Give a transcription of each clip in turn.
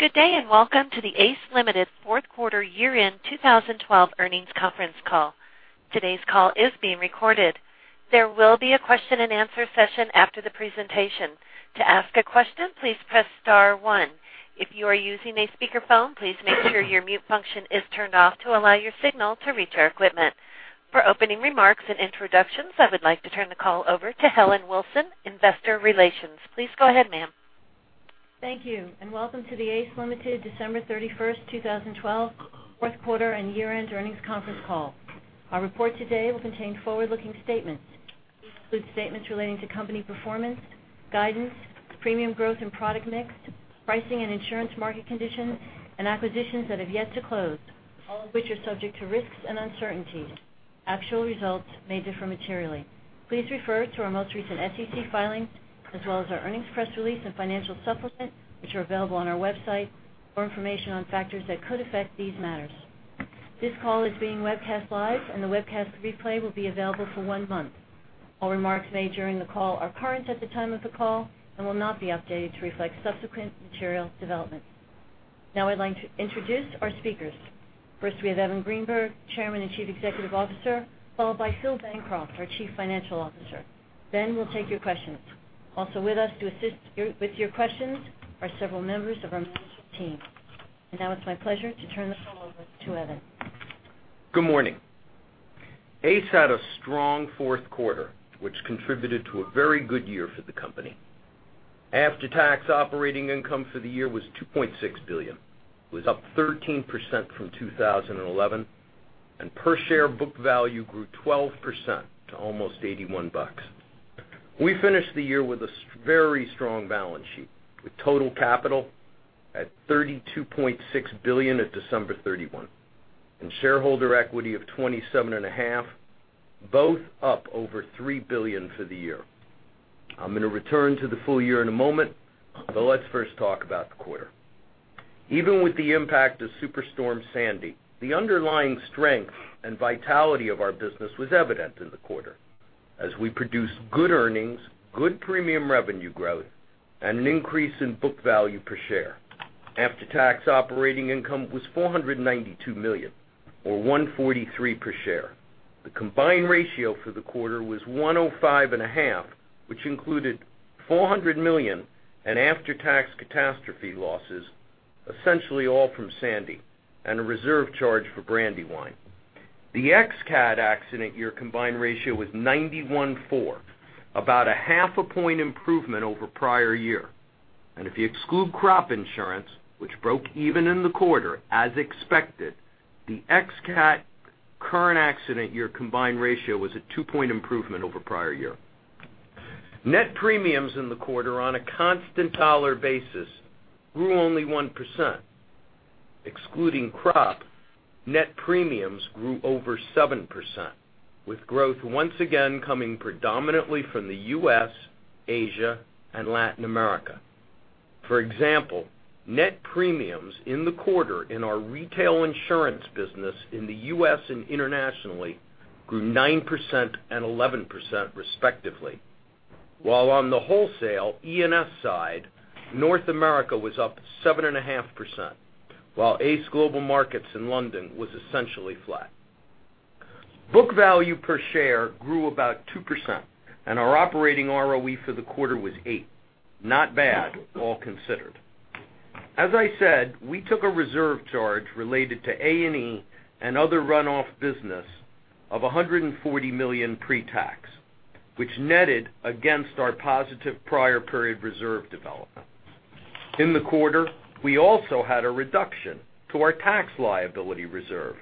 Good day, and welcome to the ACE Limited fourth quarter year-end 2012 earnings conference call. Today's call is being recorded. There will be a question and answer session after the presentation. To ask a question, please press star one. If you are using a speakerphone, please make sure your mute function is turned off to allow your signal to reach our equipment. For opening remarks and introductions, I would like to turn the call over to Helen Wilson, Investor Relations. Please go ahead, ma'am. Thank you, welcome to the ACE Limited December 31st, 2012 fourth quarter and year-end earnings conference call. Our report today will contain forward-looking statements. These include statements relating to company performance, guidance, premium growth and product mix, pricing and insurance market conditions, and acquisitions that have yet to close, all of which are subject to risks and uncertainties. Actual results may differ materially. Please refer to our most recent SEC filings as well as our earnings press release and financial supplement, which are available on our website for information on factors that could affect these matters. This call is being webcast live and the webcast replay will be available for one month. All remarks made during the call are current at the time of the call and will not be updated to reflect subsequent material developments. Now I'd like to introduce our speakers. First, we have Evan Greenberg, Chairman and Chief Executive Officer, followed by Philip Bancroft, our Chief Financial Officer. We'll take your questions. Also with us to assist with your questions are several members of our management team. Now it's my pleasure to turn the call over to Evan. Good morning. ACE had a strong fourth quarter, which contributed to a very good year for the company. After-tax operating income for the year was $2.6 billion. It was up 13% from 2011, and per share book value grew 12% to almost $81. We finished the year with a very strong balance sheet, with total capital at $32.6 billion at December 31, and shareholder equity of $27.5 billion, both up over $3 billion for the year. I'm going to return to the full year in a moment, let's first talk about the quarter. Even with the impact of Superstorm Sandy, the underlying strength and vitality of our business was evident in the quarter as we produced good earnings, good premium revenue growth, and an increase in book value per share. After-tax operating income was $492 million, or $143 per share. The combined ratio for the quarter was 105.5, which included $400 million in after-tax catastrophe losses, essentially all from Sandy, and a reserve charge for Brandywine. The ex-cat accident year combined ratio was 91.4, about a half a point improvement over prior year. If you exclude crop insurance, which broke even in the quarter as expected, the ex-cat current accident year combined ratio was a two-point improvement over prior year. Net premiums in the quarter on a constant dollar basis grew only 1%. Excluding crop, net premiums grew over 7%, with growth once again coming predominantly from the U.S., Asia, and Latin America. For example, net premiums in the quarter in our retail insurance business in the U.S. and internationally grew 9% and 11% respectively. While on the wholesale E&S side, North America was up 7.5%, while ACE Global Markets in London was essentially flat. Book value per share grew about 2%, and our operating ROE for the quarter was eight. Not bad, all considered. As I said, we took a reserve charge related to A&E and other runoff business of $140 million pre-tax, which netted against our positive prior period reserve developments. In the quarter, we also had a reduction to our tax liability reserve,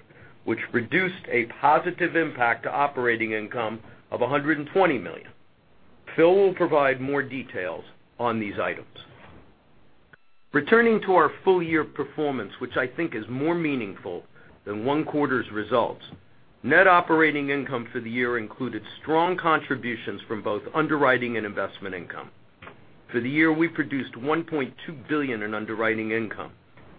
which reduced a positive impact to operating income of $120 million. Phil will provide more details on these items. Returning to our full-year performance, which I think is more meaningful than one quarter's results, net operating income for the year included strong contributions from both underwriting and investment income. For the year, we produced $1.2 billion in underwriting income,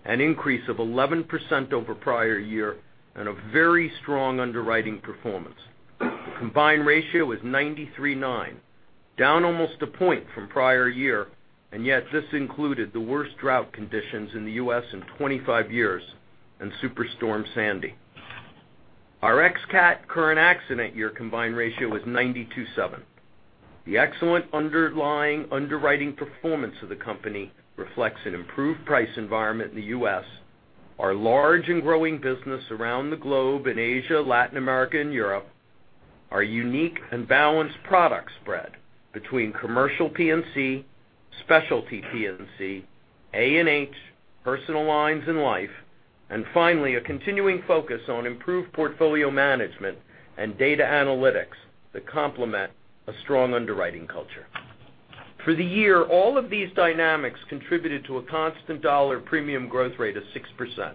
an increase of 11% over prior year and a very strong underwriting performance. The combined ratio was 93.9, down almost a point from prior year. Yet this included the worst drought conditions in the U.S. in 25 years and Superstorm Sandy. Our ex-cat current accident year combined ratio was 92.7. The excellent underlying underwriting performance of the company reflects an improved price environment in the U.S., our large and growing business around the globe in Asia, Latin America, and Europe, our unique and balanced product spread between commercial P&C, specialty P&C, A&H, personal lines and life. Finally, a continuing focus on improved portfolio management and data analytics that complement a strong underwriting culture. For the year, all of these dynamics contributed to a constant dollar premium growth rate of 6%.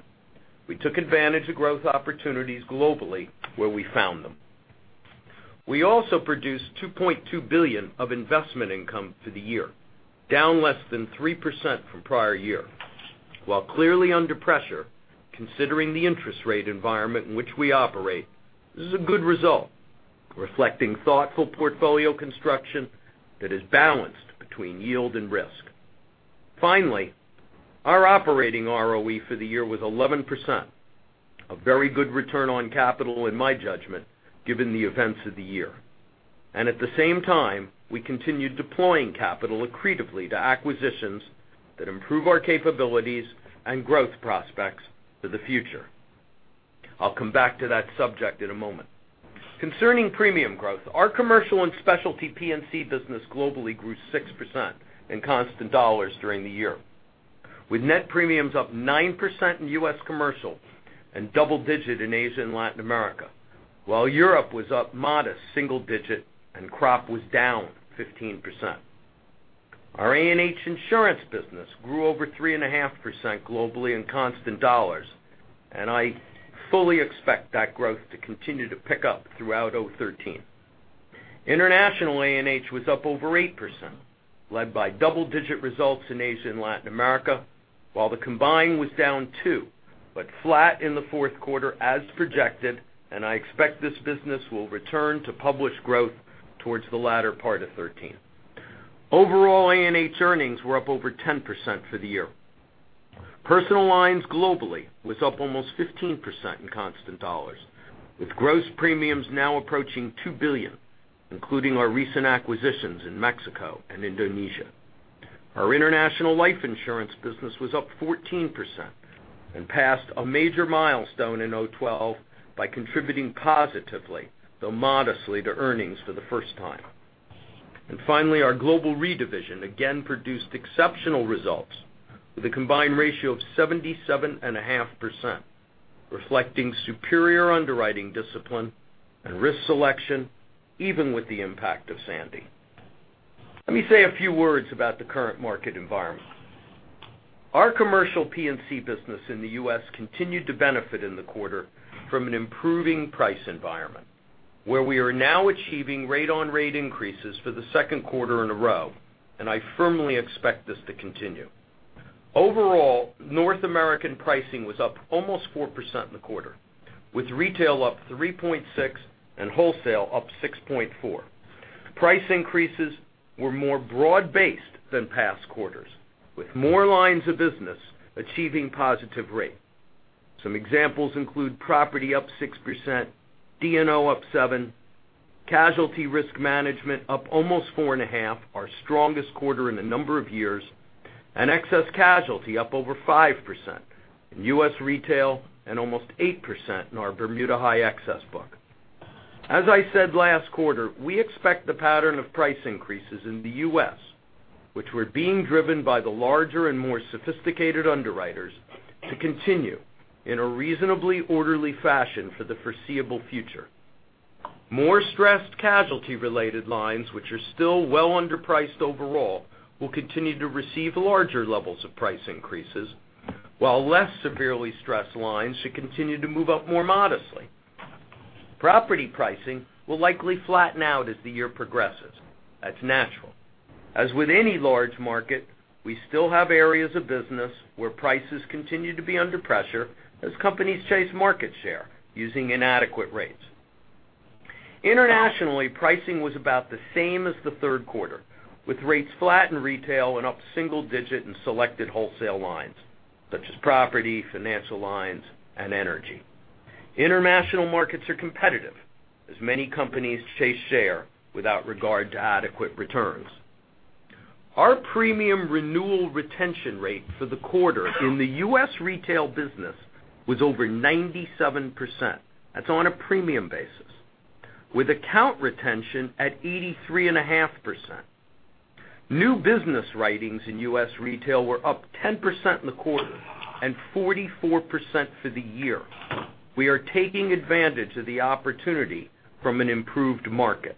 We took advantage of growth opportunities globally where we found them. We also produced $2.2 billion of investment income for the year, down less than 3% from prior year. While clearly under pressure, considering the interest rate environment in which we operate, this is a good result Reflecting thoughtful portfolio construction that is balanced between yield and risk. Finally, our operating ROE for the year was 11%, a very good return on capital in my judgment, given the events of the year. At the same time, we continued deploying capital accretively to acquisitions that improve our capabilities and growth prospects for the future. I'll come back to that subject in a moment. Concerning premium growth, our commercial and specialty P&C business globally grew 6% in constant dollars during the year, with net premiums up 9% in U.S. commercial and double digit in Asia and Latin America. While Europe was up modest single digit. Crop was down 15%. Our A&H Insurance business grew over 3.5% globally in constant dollars. I fully expect that growth to continue to pick up throughout 2013. International A&H was up over 8%, led by double-digit results in Asia and Latin America, while the combined was down two, but flat in the fourth quarter as projected. I expect this business will return to published growth towards the latter part of 2013. Overall, A&H earnings were up over 10% for the year. Personal lines globally was up almost 15% in constant dollars, with gross premiums now approaching $2 billion, including our recent acquisitions in Mexico and Indonesia. Our international life insurance business was up 14% and passed a major milestone in 2012 by contributing positively, though modestly, to earnings for the first time. Finally, our global re-division again produced exceptional results with a combined ratio of 77.5%, reflecting superior underwriting discipline and risk selection, even with the impact of Sandy. Let me say a few words about the current market environment. Our commercial P&C business in the U.S. continued to benefit in the quarter from an improving price environment, where we are now achieving rate-on-rate increases for the second quarter in a row. I firmly expect this to continue. Overall, North American pricing was up almost 4% in the quarter, with retail up 3.6% and wholesale up 6.4%. Price increases were more broad-based than past quarters, with more lines of business achieving positive rate. Some examples include property up 6%, D&O up seven, casualty risk management up almost 4.5%, our strongest quarter in a number of years, and excess casualty up over 5% in U.S. retail and almost 8% in our Bermuda high excess book. As I said last quarter, we expect the pattern of price increases in the U.S., which were being driven by the larger and more sophisticated underwriters, to continue in a reasonably orderly fashion for the foreseeable future. More stressed casualty related lines, which are still well underpriced overall, will continue to receive larger levels of price increases, while less severely stressed lines should continue to move up more modestly. Property pricing will likely flatten out as the year progresses. That's natural. As with any large market, we still have areas of business where prices continue to be under pressure as companies chase market share using inadequate rates. Internationally, pricing was about the same as the third quarter, with rates flat in retail and up single digit in selected wholesale lines, such as property, financial lines, and energy. International markets are competitive as many companies chase share without regard to adequate returns. Our premium renewal retention rate for the quarter in the U.S. retail business was over 97%. That's on a premium basis, with account retention at 83.5%. New business writings in U.S. retail were up 10% in the quarter and 44% for the year. We are taking advantage of the opportunity from an improved market.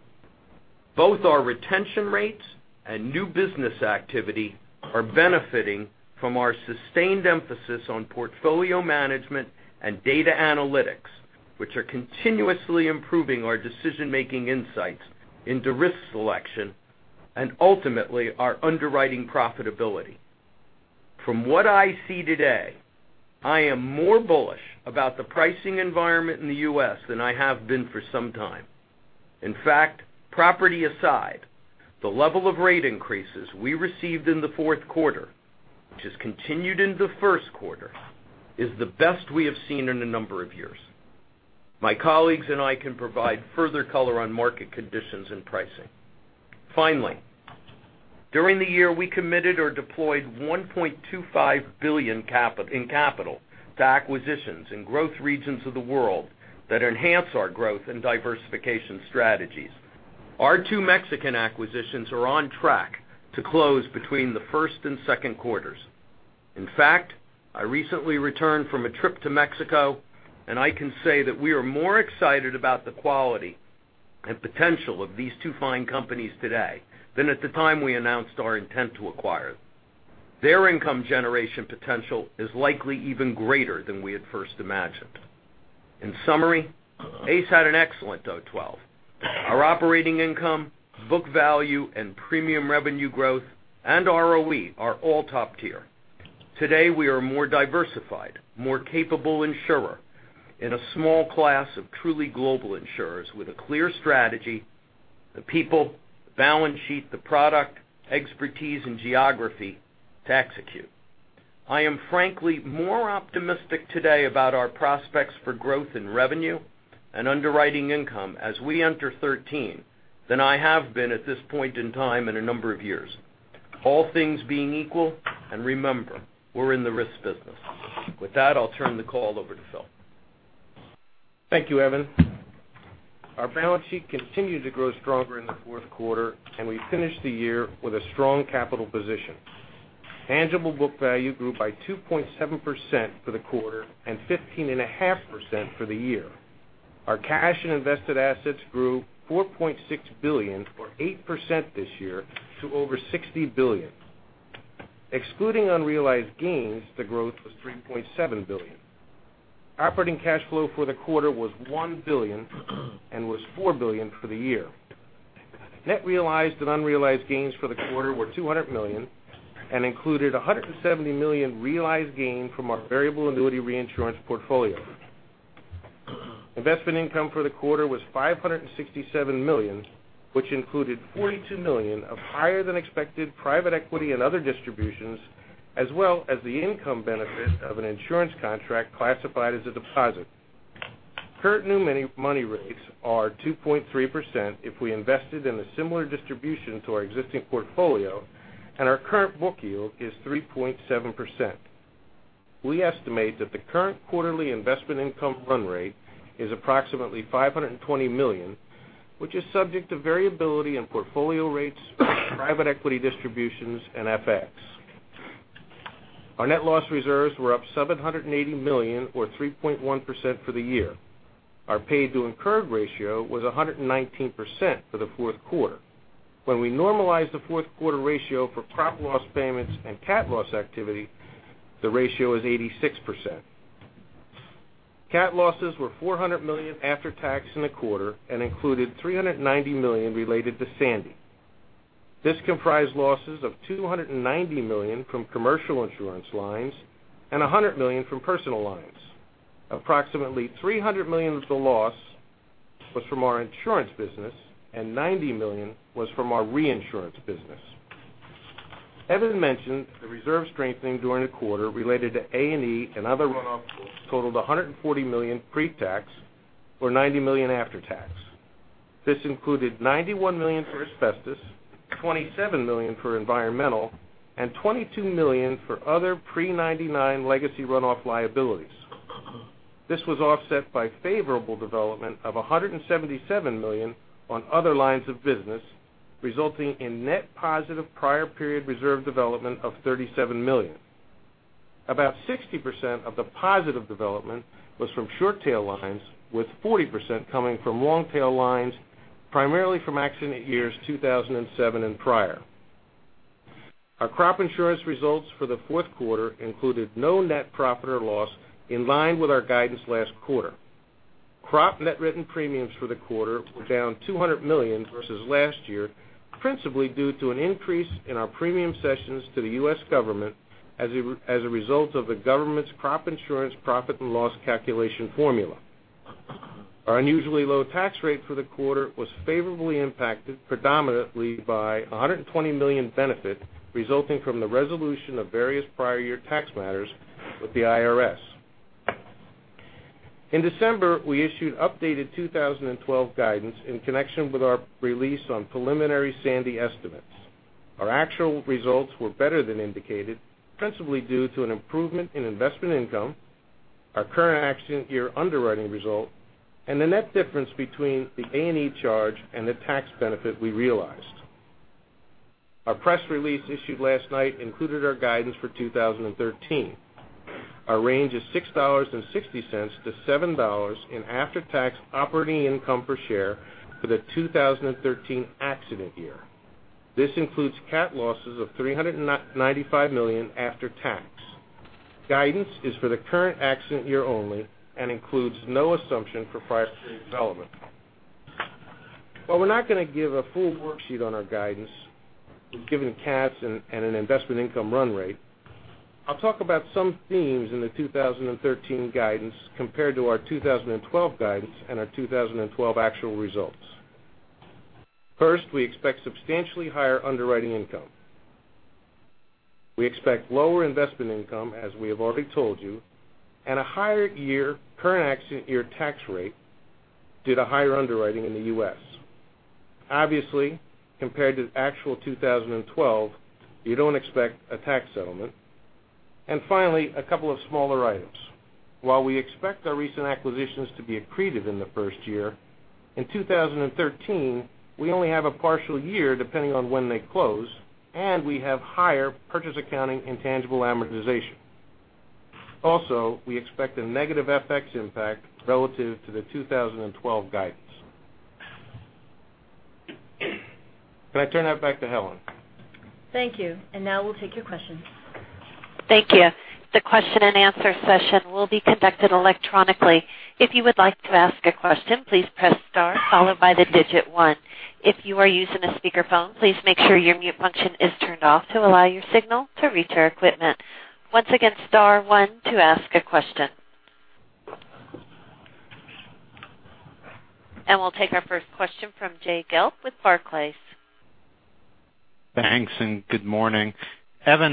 Both our retention rates and new business activity are benefiting from our sustained emphasis on portfolio management and data analytics, which are continuously improving our decision-making insights into risk selection and ultimately our underwriting profitability. From what I see today, I am more bullish about the pricing environment in the U.S. than I have been for some time. In fact, property aside, the level of rate increases we received in the fourth quarter, which has continued into the first quarter, is the best we have seen in a number of years. My colleagues and I can provide further color on market conditions and pricing. Finally, during the year, we committed or deployed $1.25 billion in capital to acquisitions in growth regions of the world that enhance our growth and diversification strategies. Our two Mexican acquisitions are on track to close between the first and second quarters. In fact, I recently returned from a trip to Mexico, and I can say that we are more excited about the quality and potential of these two fine companies today than at the time we announced our intent to acquire them. Their income generation potential is likely even greater than we had first imagined. In summary, ACE had an excellent 2012. Our operating income, book value, and premium revenue growth and ROE are all top tier. Today, we are a more diversified, more capable insurer in a small class of truly global insurers with a clear strategy, the people, the balance sheet, the product, expertise, and geography to execute. I am frankly more optimistic today about our prospects for growth in revenue and underwriting income as we enter 2013 than I have been at this point in time in a number of years. All things being equal, and remember, we're in the risk business. With that, I'll turn the call over to Phil. Thank you, Evan. Our balance sheet continued to grow stronger in the fourth quarter, and we finished the year with a strong capital position. Tangible book value grew by 2.7% for the quarter and 15.5% for the year. Our cash and invested assets grew to $4.6 billion, or 8% this year, to over $60 billion. Excluding unrealized gains, the growth was $3.7 billion. Operating cash flow for the quarter was $1 billion and was $4 billion for the year. Net realized and unrealized gains for the quarter were $200 million and included a $170 million realized gain from our variable annuity reinsurance portfolio. Investment income for the quarter was $567 million, which included $42 million of higher-than-expected private equity and other distributions, as well as the income benefit of an insurance contract classified as a deposit. Current new money rates are 2.3% if we invested in a similar distribution to our existing portfolio, and our current book yield is 3.7%. We estimate that the current quarterly investment income run rate is approximately $520 million, which is subject to variability in portfolio rates, private equity distributions, and FX. Our net loss reserves were up $780 million, or 3.1% for the year. Our paid to incurred ratio was 119% for the fourth quarter. When we normalize the fourth quarter ratio for prop loss payments and cat loss activity, the ratio is 86%. Cat losses were $400 million after tax in the quarter and included $390 million related to Sandy. This comprised losses of $290 million from commercial insurance lines and $100 million from personal lines. Approximately $300 million of the loss was from our insurance business, and $90 million was from our reinsurance business. Evan mentioned the reserve strengthening during the quarter related to A&E and other runoff totals totaled $140 million pre-tax, or $90 million after tax. This included $91 million for asbestos, $27 million for environmental, and $22 million for other pre-'99 legacy runoff liabilities. This was offset by favorable development of $177 million on other lines of business, resulting in net positive prior period reserve development of $37 million. About 60% of the positive development was from short-tail lines, with 40% coming from long-tail lines, primarily from accident years 2007 and prior. Our crop insurance results for the fourth quarter included no net profit or loss, in line with our guidance last quarter. Crop net written premiums for the quarter were down $200 million versus last year, principally due to an increase in our premium sessions to the U.S. government as a result of the government's crop insurance profit and loss calculation formula. Our unusually low tax rate for the quarter was favorably impacted predominantly by $120 million benefit resulting from the resolution of various prior year tax matters with the IRS. In December, we issued updated 2012 guidance in connection with our release on preliminary Sandy estimates. Our actual results were better than indicated, principally due to an improvement in investment income, our current accident year underwriting result, and the net difference between the A&E charge and the tax benefit we realized. The press release issued last night included our guidance for 2013. Our range is $6.60 to $7 in after-tax operating income per share for the 2013 accident year. This includes cat losses of $395 million after tax. Guidance is for the current accident year only and includes no assumption for prior period development. While we're not going to give a full worksheet on our guidance, we've given cats and an investment income run rate, I'll talk about some themes in the 2013 guidance compared to our 2012 guidance and our 2012 actual results. First, we expect substantially higher underwriting income. We expect lower investment income, as we have already told you, a higher current accident year tax rate due to higher underwriting in the U.S. Obviously, compared to actual 2012, you don't expect a tax settlement. Finally, a couple of smaller items. While we expect our recent acquisitions to be accretive in the first year, in 2013, we only have a partial year depending on when they close, and we have higher purchase accounting and tangible amortization. Also, we expect a negative FX impact relative to the 2012 guidance. Can I turn that back to Helen? Thank you. Now we'll take your questions. Thank you, Evan. The question and answer session will be conducted electronically. If you would like to ask a question, please press star followed by the digit 1. If you are using a speakerphone, please make sure your mute function is turned off to allow your signal to reach our equipment. Once again, star 1 to ask a question. We'll take our first question from Jay Gelb with Barclays. Thanks and good morning. Evan,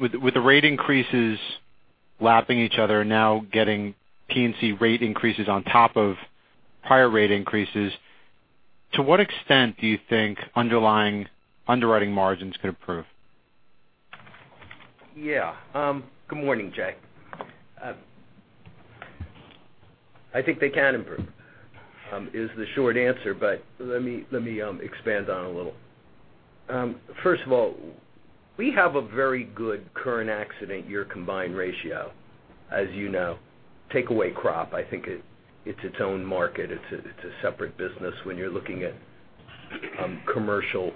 with the rate increases lapping each other, now getting P&C rate increases on top of higher rate increases, to what extent do you think underlying underwriting margins could improve? Good morning, Jay. I think they can improve, is the short answer, but let me expand on it a little. First of all, we have a very good current accident year combined ratio, as you know. Take away crop, I think it's its own market. It's a separate business. When you're looking at commercial,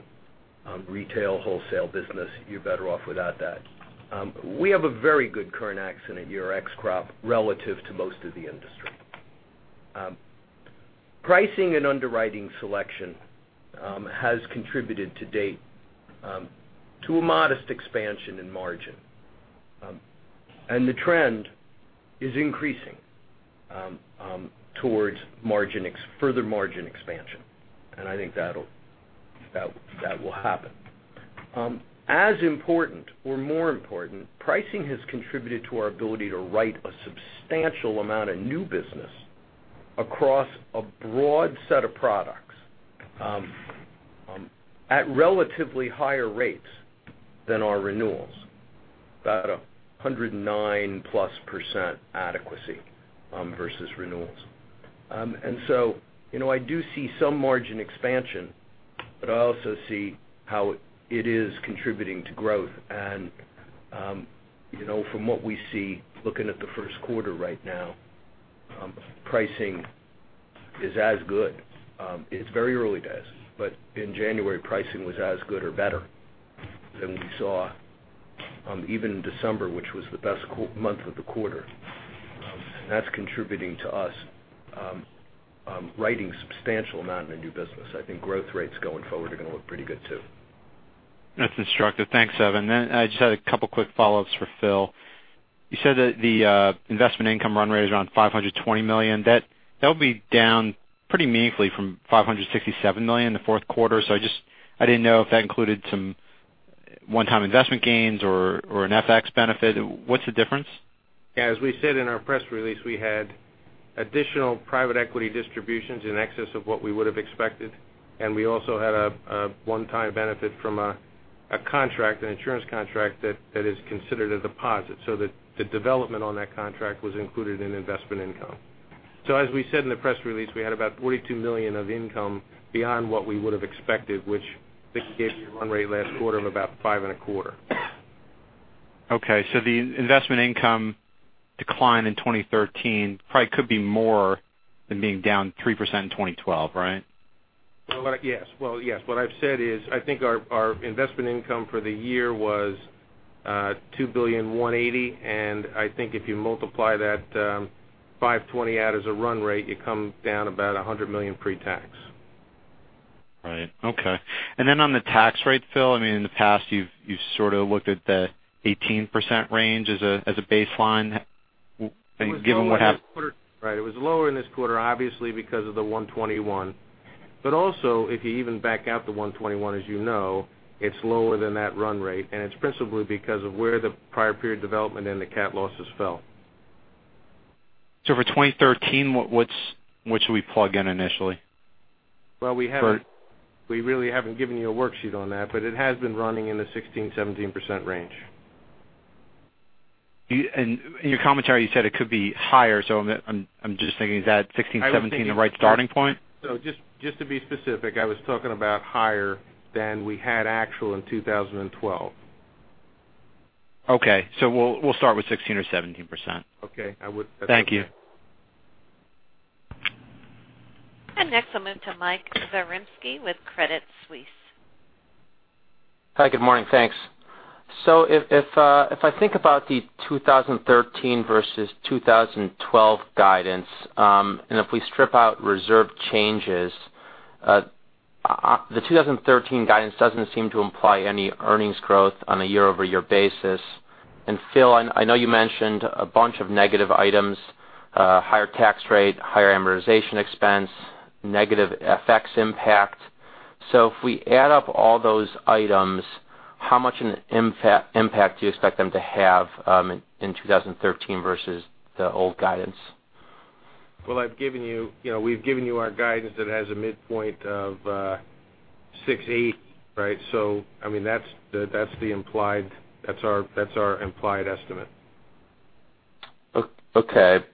retail, wholesale business, you're better off without that. We have a very good current accident year ex crop relative to most of the industry. Pricing and underwriting selection has contributed to date to a modest expansion in margin. The trend is increasing towards further margin expansion, and I think that will happen. As important or more important, pricing has contributed to our ability to write a substantial amount of new business across a broad set of products at relatively higher rates than our renewals. About 109+% adequacy versus renewals. I do see some margin expansion, but I also see how it is contributing to growth. From what we see looking at the first quarter right now, pricing is as good. It's very early days, but in January, pricing was as good or better than we saw even in December, which was the best month of the quarter. That's contributing to us writing a substantial amount in the new business. I think growth rates going forward are going to look pretty good too. That's instructive. Thanks, Evan. I just had a couple quick follow-ups for Phil. You said that the investment income run rate is around $520 million. That'll be down pretty meaningfully from $567 million in the fourth quarter. I didn't know if that included some one-time investment gains or an FX benefit. What's the difference? As we said in our press release, we had additional private equity distributions in excess of what we would have expected, and we also had a one-time benefit from an insurance contract that is considered a deposit. The development on that contract was included in investment income. As we said in the press release, we had about $42 million of income beyond what we would have expected, which I think gave you a run rate last quarter of about five and a quarter. Okay, the investment income decline in 2013 probably could be more than being down 3% in 2012, right? Well, yes. What I've said is, I think our investment income for the year was $2.18 billion, and I think if you multiply that $520 million out as a run rate, it comes down about $100 million pre-tax. Right. Okay. Then on the tax rate, Phil, in the past you've sort of looked at the 18% range as a baseline given what happened. It was lower in this quarter, obviously, because of the $121 million. Also, if you even back out the $121 million, as you know, it's lower than that run rate, and it's principally because of where the prior period development and the cat losses fell. For 2013, what should we plug in initially? We really haven't given you a worksheet on that, but it has been running in the 16, 17% range. In your commentary, you said it could be higher, so I'm just thinking, is that 16, 17 the right starting point? Just to be specific, I was talking about higher than we had actual in 2012. Okay. We'll start with 16% or 17%. Okay. That's okay. Thank you. Next I'll move to Mike Zaremski with Credit Suisse. Hi, good morning. Thanks. If I think about the 2013 versus 2012 guidance, if we strip out reserve changes, the 2013 guidance doesn't seem to imply any earnings growth on a year-over-year basis. Phil, I know you mentioned a bunch of negative items, higher tax rate, higher amortization expense, negative FX impact. If we add up all those items, how much of an impact do you expect them to have in 2013 versus the old guidance? We've given you our guidance that has a midpoint of $6.80, right? That's our implied estimate. Okay.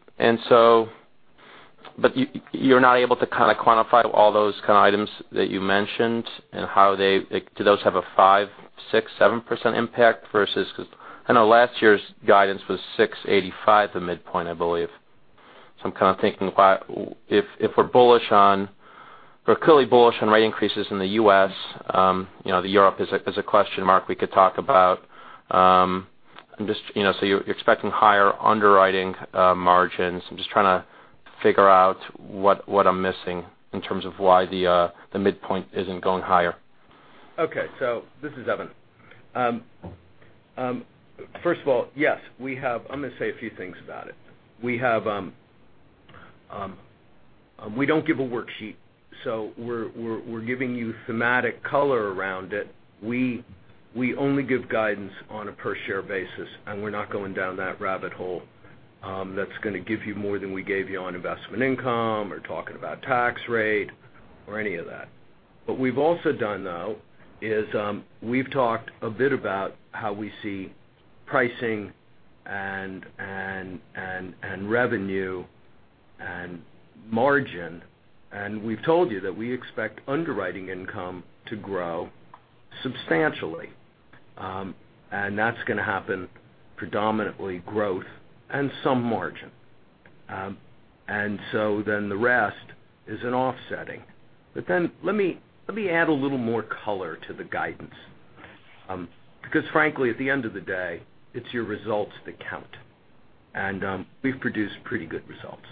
You're not able to kind of quantify all those kind of items that you mentioned and do those have a 5%, 6%, 7% impact versus because I know last year's guidance was $6.85, the midpoint, I believe. I'm kind of thinking if we're clearly bullish on rate increases in the U.S., Europe is a question mark we could talk about. You're expecting higher underwriting margins. I'm just trying to figure out what I'm missing in terms of why the midpoint isn't going higher. Okay. This is Evan. First of all, yes, I'm going to say a few things about it. We don't give a worksheet, we're giving you thematic color around it. We only give guidance on a per share basis, we're not going down that rabbit hole that's going to give you more than we gave you on investment income or talking about tax rate or any of that. We've also done, though, is we've talked a bit about how we see pricing and revenue and margin, we've told you that we expect underwriting income to grow substantially. That's going to happen predominantly growth and some margin. The rest is an offsetting. Let me add a little more color to the guidance. Frankly, at the end of the day, it's your results that count. We've produced pretty good results.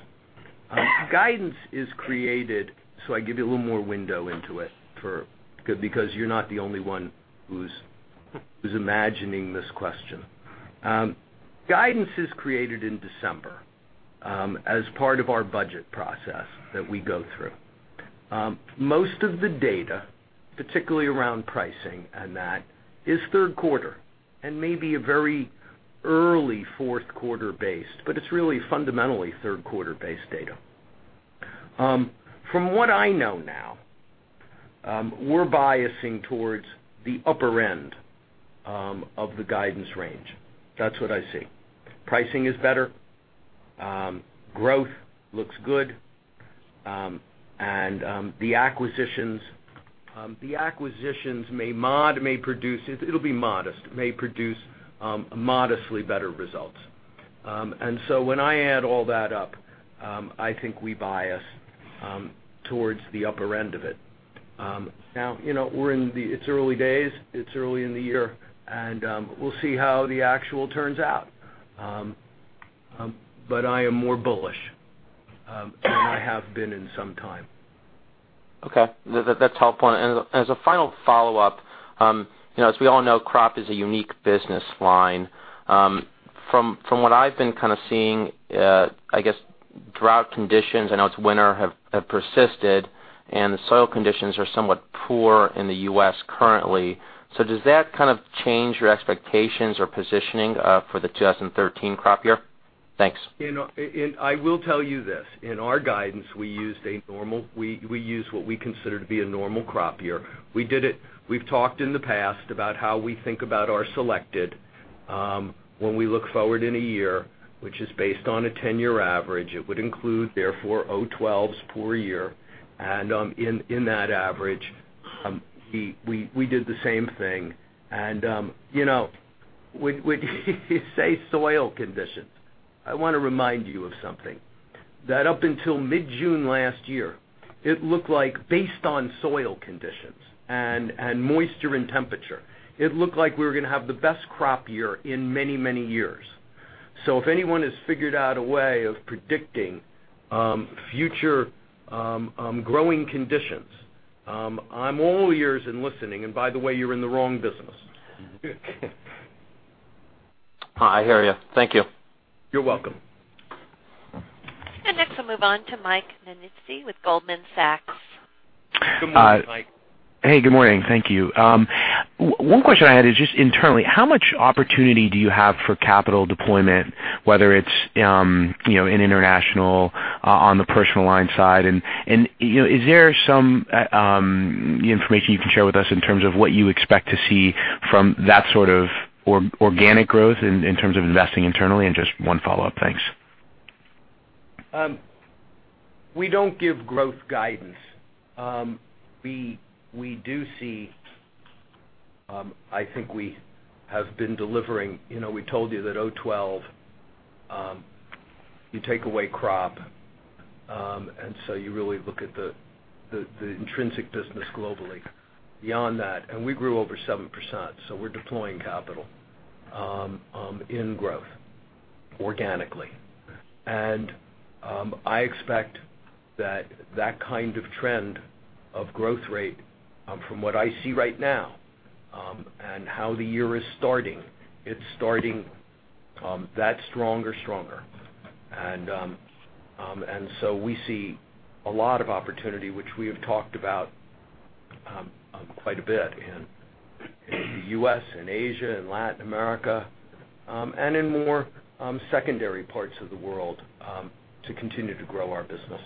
Guidance is created, I give you a little more window into it because you're not the only one who's imagining this question. Guidance is created in December as part of our budget process that we go through. Most of the data, particularly around pricing and that, is third quarter and maybe a very early fourth quarter based, but it's really fundamentally third quarter based data. From what I know now, we're biasing towards the upper end of the guidance range. That's what I see. Pricing is better. Growth looks good. The acquisitions may produce, it'll be modest, may produce modestly better results. When I add all that up, I think we bias towards the upper end of it. It's early days, it's early in the year, and we'll see how the actual turns out. I am more bullish than I have been in some time. Okay. That's helpful. As a final follow-up, as we all know, crop is a unique business line. From what I've been kind of seeing, I guess drought conditions, I know it's winter, have persisted, and the soil conditions are somewhat poor in the U.S. currently. Does that kind of change your expectations or positioning for the 2013 crop year? Thanks. I will tell you this. In our guidance, we use what we consider to be a normal crop year. We've talked in the past about how we think about our selected when we look forward in a year, which is based on a 10-year average. It would include, therefore, 2012's poor year, and in that average, we did the same thing. When you say soil conditions, I want to remind you of something. That up until mid-June last year, based on soil conditions and moisture and temperature, it looked like we were going to have the best crop year in many, many years. If anyone has figured out a way of predicting future growing conditions, I'm all ears in listening, and by the way, you're in the wrong business. I hear you. Thank you. You're welcome. Next we'll move on to Michael Nannizzi with Goldman Sachs. Good morning, Mike. Hey, good morning. Thank you. One question I had is just internally, how much opportunity do you have for capital deployment, whether it's in international, on the personal line side? Is there some information you can share with us in terms of what you expect to see from that sort of organic growth in terms of investing internally? Just one follow-up. Thanks. We don't give growth guidance. We do see, I think we have been delivering, we told you that 2012, you take away crop, so you really look at the intrinsic business globally beyond that. We grew over 7%, so we're deploying capital in growth organically. I expect that kind of trend of growth rate from what I see right now and how the year is starting. It's starting that stronger. We see a lot of opportunity, which we have talked about quite a bit in the U.S. and Asia and Latin America, and in more secondary parts of the world to continue to grow our business.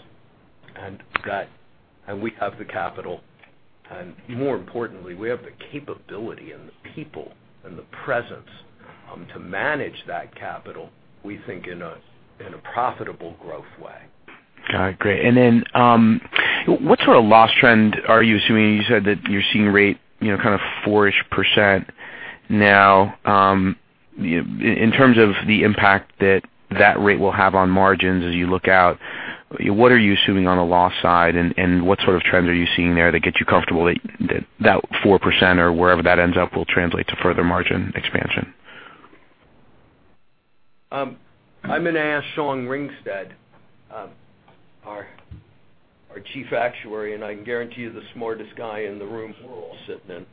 We have the capital, and more importantly, we have the capability and the people and the presence to manage that capital, we think, in a profitable growth way Got it. Great. What sort of loss trend are you assuming? You said that you're seeing rate kind of four-ish % now. In terms of the impact that rate will have on margins as you look out, what are you assuming on the loss side, and what sort of trends are you seeing there that get you comfortable that 4%, or wherever that ends up, will translate to further margin expansion? I'm going to ask Sean Ringsted, our Chief Actuary, and I can guarantee you the smartest guy in the room we're all sitting in,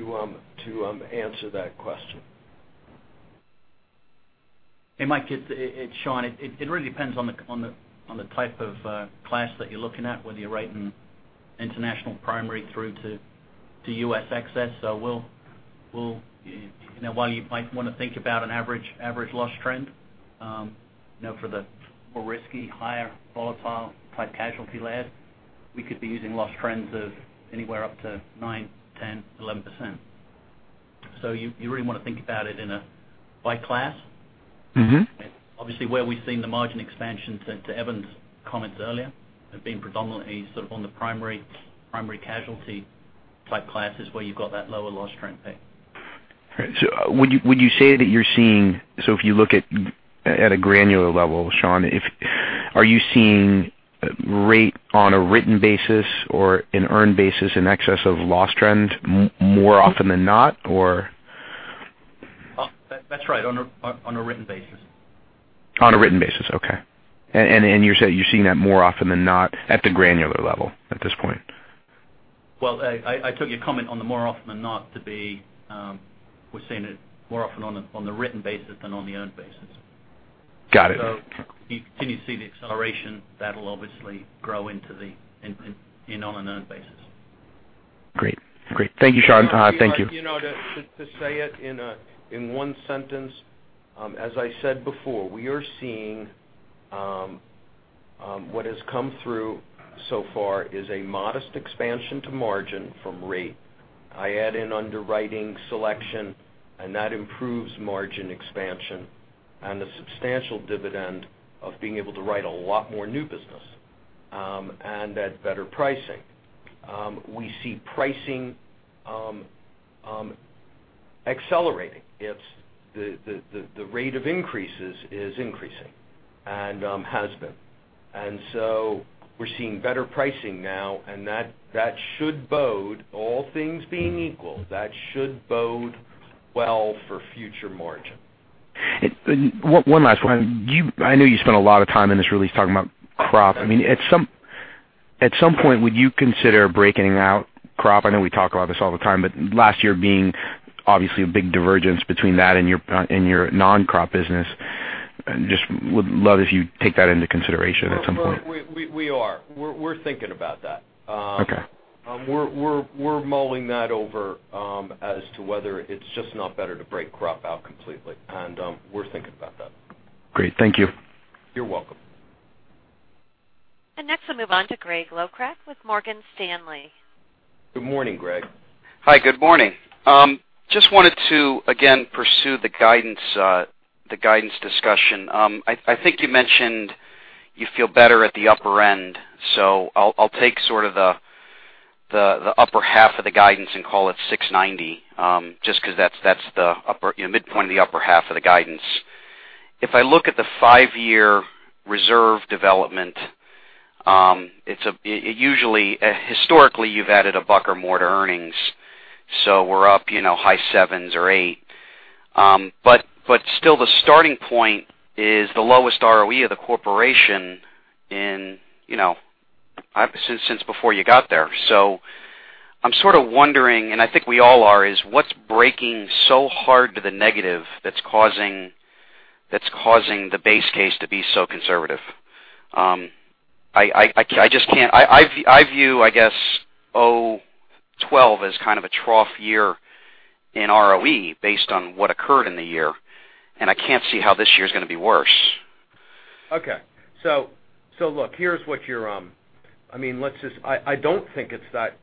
to answer that question. Hey, Mike, it's Sean. It really depends on the type of class that you're looking at, whether you're writing international primary through to U.S. excess. While you might want to think about an average loss trend for the more risky, higher volatile type casualty layer, we could be using loss trends of anywhere up to nine, 10, 11%. You really want to think about it by class. Obviously, where we've seen the margin expansion, to Evan's comments earlier, have been predominantly sort of on the primary casualty type classes where you've got that lower loss trend there. Great. Would you say that you're seeing, so if you look at a granular level, Sean, are you seeing rate on a written basis or an earned basis in excess of loss trend more often than not, or? That's right. On a written basis. On a written basis. Okay. You're saying you're seeing that more often than not at the granular level at this point? Well, I took your comment on the more often than not to be we're seeing it more often on the written basis than on the earned basis. Got it. You continue to see the acceleration, that'll obviously grow in on an earned basis. Great. Thank you, Sean. You know what? To say it in one sentence, as I said before, we are seeing what has come through so far is a modest expansion to margin from rate. I add in underwriting selection, and that improves margin expansion, and the substantial dividend of being able to write a lot more new business, and at better pricing. We see pricing accelerating. The rate of increases is increasing and has been. We're seeing better pricing now, and that should bode, all things being equal, that should bode well for future margin. One last one. I know you spent a lot of time in this release talking about crop. I mean, at some point, would you consider breaking out crop? I know we talk about this all the time, last year being obviously a big divergence between that and your non-crop business, just would love if you'd take that into consideration at some point. We are. We're thinking about that. Okay. We're mulling that over as to whether it's just not better to break crop out completely. We're thinking about that. Great. Thank you. You're welcome. Next we'll move on to Gregory Locraft with Morgan Stanley. Good morning, Greg. Hi. Good morning. Just wanted to again pursue the guidance discussion. I think you mentioned you feel better at the upper end, so I'll take sort of the upper half of the guidance and call it $690, just because that's the midpoint of the upper half of the guidance. If I look at the five-year reserve development, historically you've added $1 or more to earnings. We're up high sevens or eight. Still the starting point is the lowest ROE of the corporation since before you got there. I'm sort of wondering, and I think we all are, is what's breaking so hard to the negative that's causing the base case to be so conservative? I just can't. I view, I guess, 2012 as kind of a trough year in ROE based on what occurred in the year, and I can't see how this year's going to be worse. Okay. Look, I don't think it's that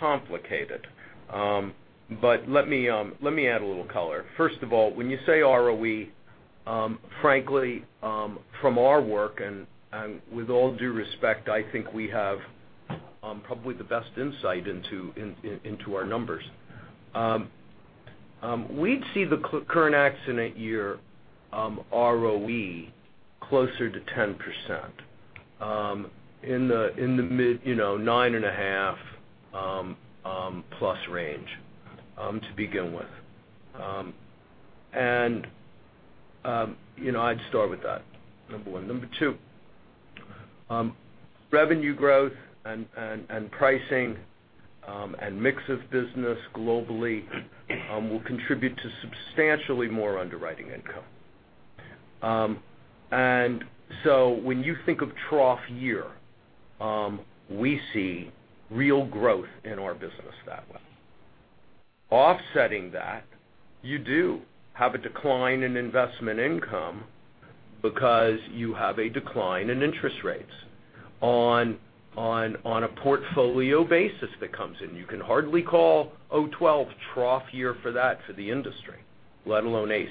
complicated. Let me add a little color. First of all, when you say ROE, frankly, from our work, and with all due respect, I think we have probably the best insight into our numbers. We'd see the current accident year ROE closer to 10%, in the mid nine and a half plus range to begin with. I'd start with that, number one. Number two, revenue growth and pricing, and mix of business globally will contribute to substantially more underwriting income. When you think of trough year, we see real growth in our business that way. Offsetting that, you do have a decline in investment income because you have a decline in interest rates. On a portfolio basis that comes in. You can hardly call 2012 trough year for that for the industry, let alone ACE.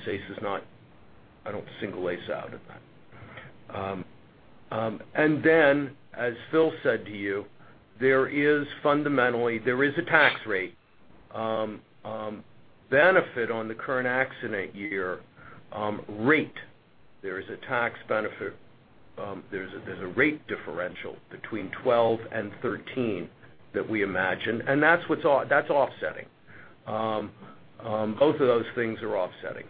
I don't single ACE out at that. As Phil said to you, there is fundamentally a tax rate benefit on the current accident year rate. There is a tax benefit. There's a rate differential between 2012 and 2013 that we imagine, and that's offsetting. Both of those things are offsetting.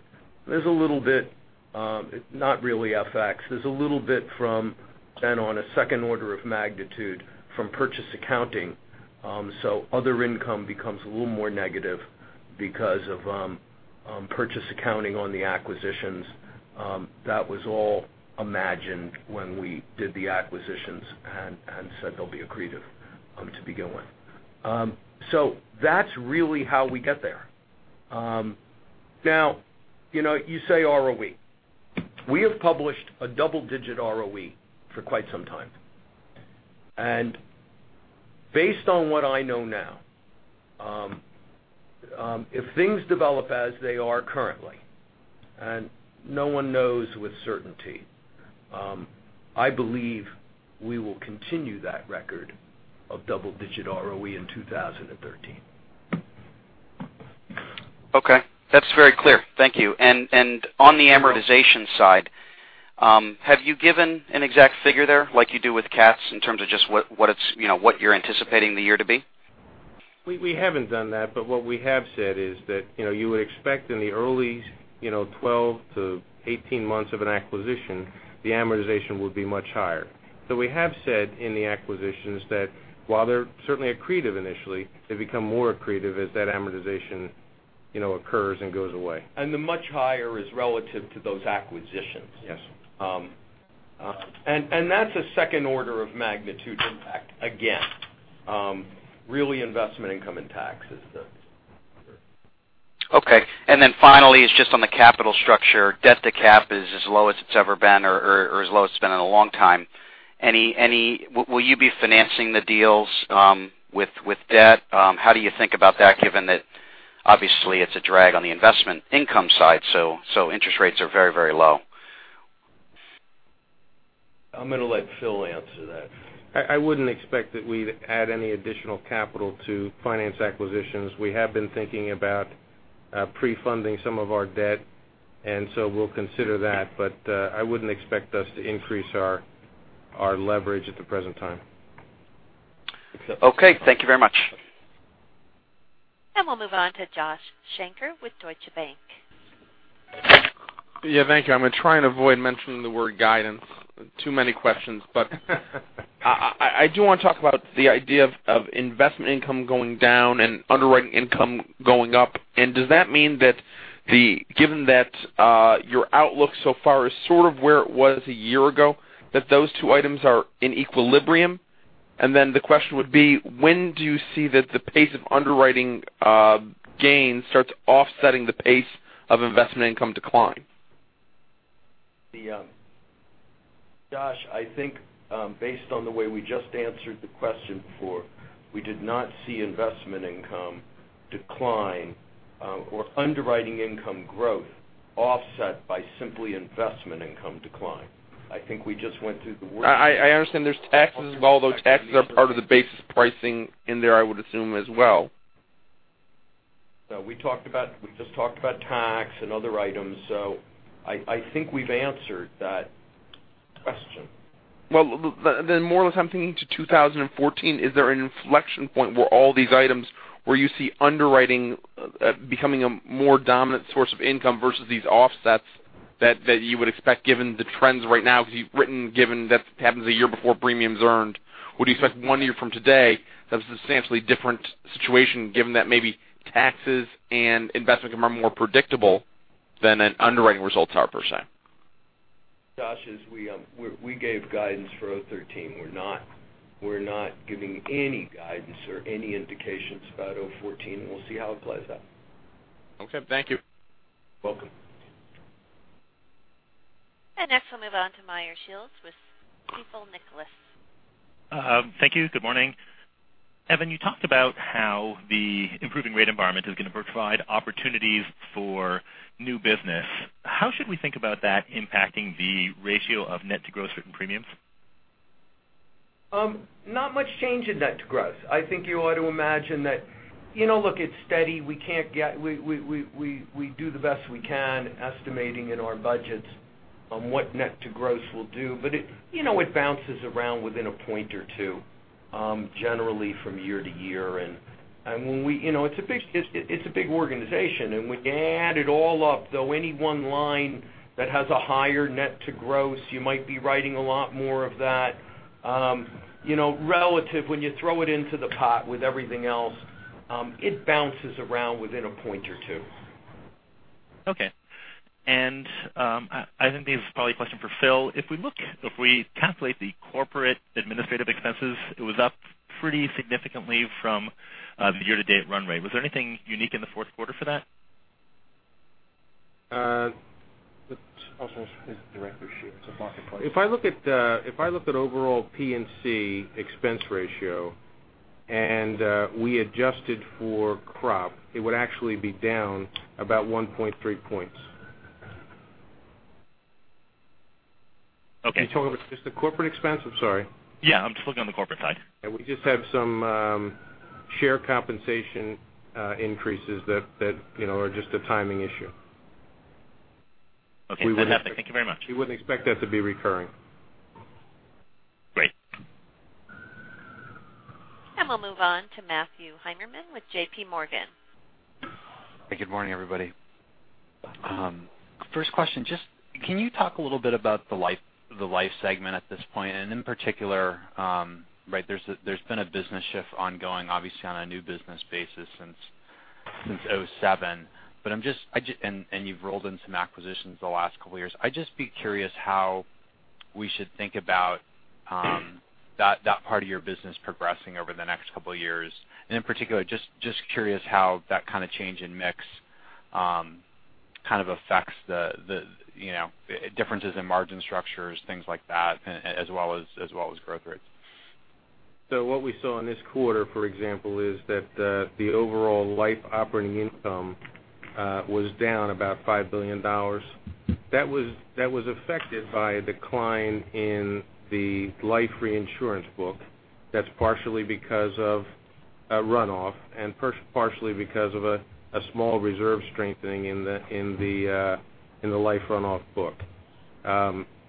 There's a little bit, not really FX. There's a little bit from then on a second order of magnitude from purchase accounting. Other income becomes a little more negative because of purchase accounting on the acquisitions. That was all imagined when we did the acquisitions and said there'll be accretive to begin with. That's really how we get there. Now, you say ROE. We have published a double-digit ROE for quite some time. Based on what I know now, if things develop as they are currently, and no one knows with certainty, I believe we will continue that record of double digit ROE in 2013. Okay. That's very clear. Thank you. On the amortization side, have you given an exact figure there, like you do with cats, in terms of just what you're anticipating the year to be? We haven't done that, but what we have said is that you would expect in the early 12 to 18 months of an acquisition, the amortization would be much higher. We have said in the acquisitions that while they're certainly accretive initially, they become more accretive as that amortization occurs and goes away. The much higher is relative to those acquisitions. Yes. That's a second order of magnitude impact, again. Okay. Then finally is just on the capital structure, debt to cap is as low as it's ever been or as low as it's been in a long time. Will you be financing the deals with debt? How do you think about that, given that obviously it's a drag on the investment income side, so interest rates are very, very low? I'm going to let Phil answer that. I wouldn't expect that we'd add any additional capital to finance acquisitions. We have been thinking about pre-funding some of our debt, so we'll consider that. I wouldn't expect us to increase our leverage at the present time. Okay. Thank you very much. We'll move on to Joshua Shanker with Deutsche Bank. Yeah, thank you. I'm going to try and avoid mentioning the word guidance. Too many questions. I do want to talk about the idea of investment income going down and underwriting income going up. Does that mean that given that your outlook so far is sort of where it was a year ago, that those two items are in equilibrium? Then the question would be, when do you see that the pace of underwriting gain starts offsetting the pace of investment income decline? Josh, I think based on the way we just answered the question before, we did not see investment income decline or underwriting income growth offset by simply investment income decline. I understand there's taxes involved, though taxes are part of the basis pricing in there, I would assume, as well. We just talked about tax and other items, so I think we've answered that question. Well, more or less I'm thinking to 2014. Is there an inflection point where all these items, where you see underwriting becoming a more dominant source of income versus these offsets that you would expect given the trends right now? You've written, given that happens a year before premiums earned. Would you expect one year from today, that's a substantially different situation given that maybe taxes and investment income are more predictable than underwriting results are, per se? Josh, as we gave guidance for 2013. We're not giving any guidance or any indications about 2014. We'll see how it plays out. Okay. Thank you. Welcome. Next we'll move on to Meyer Shields with Stifel Nicolaus. Thank you. Good morning. Evan, you talked about how the improving rate environment is going to provide opportunities for new business. How should we think about that impacting the ratio of net to gross written premiums? Not much change in net to gross. I think you ought to imagine that, look, it's steady. We do the best we can estimating in our budgets on what net to gross will do. It bounces around within a point or two, generally from year to year. It's a big organization, and when you add it all up, though, any one line that has a higher net to gross, you might be writing a lot more of that. Relative when you throw it into the pot with everything else, it bounces around within a point or two. Okay. I think this is probably a question for Phil. If we calculate the corporate administrative expenses, it was up pretty significantly from the year to date run rate. Was there anything unique in the fourth quarter for that? Also it's a direct relationship. It's a marketplace. If I look at overall P&C expense ratio and we adjusted for crop, it would actually be down about 1.3 points. Okay. You talking about just the corporate expense? I'm sorry. Yeah, I'm just looking on the corporate side. We just had some share compensation increases that are just a timing issue. Okay. That's fantastic. Thank you very much. You wouldn't expect that to be recurring. Great. We'll move on to Matthew Heimermann with J.P. Morgan. Hey, good morning, everybody. First question, just can you talk a little bit about the life segment at this point, and in particular, there's been a business shift ongoing, obviously on a new business basis since 2007. You've rolled in some acquisitions the last couple of years. I'd just be curious how we should think about that part of your business progressing over the next couple of years. In particular, just curious how that kind of change in mix kind of affects the differences in margin structures, things like that, as well as growth rates. What we saw in this quarter, for example, is that the overall life operating income was down about $5 million. That was affected by a decline in the life reinsurance book that's partially because of a runoff and partially because of a small reserve strengthening in the life runoff book.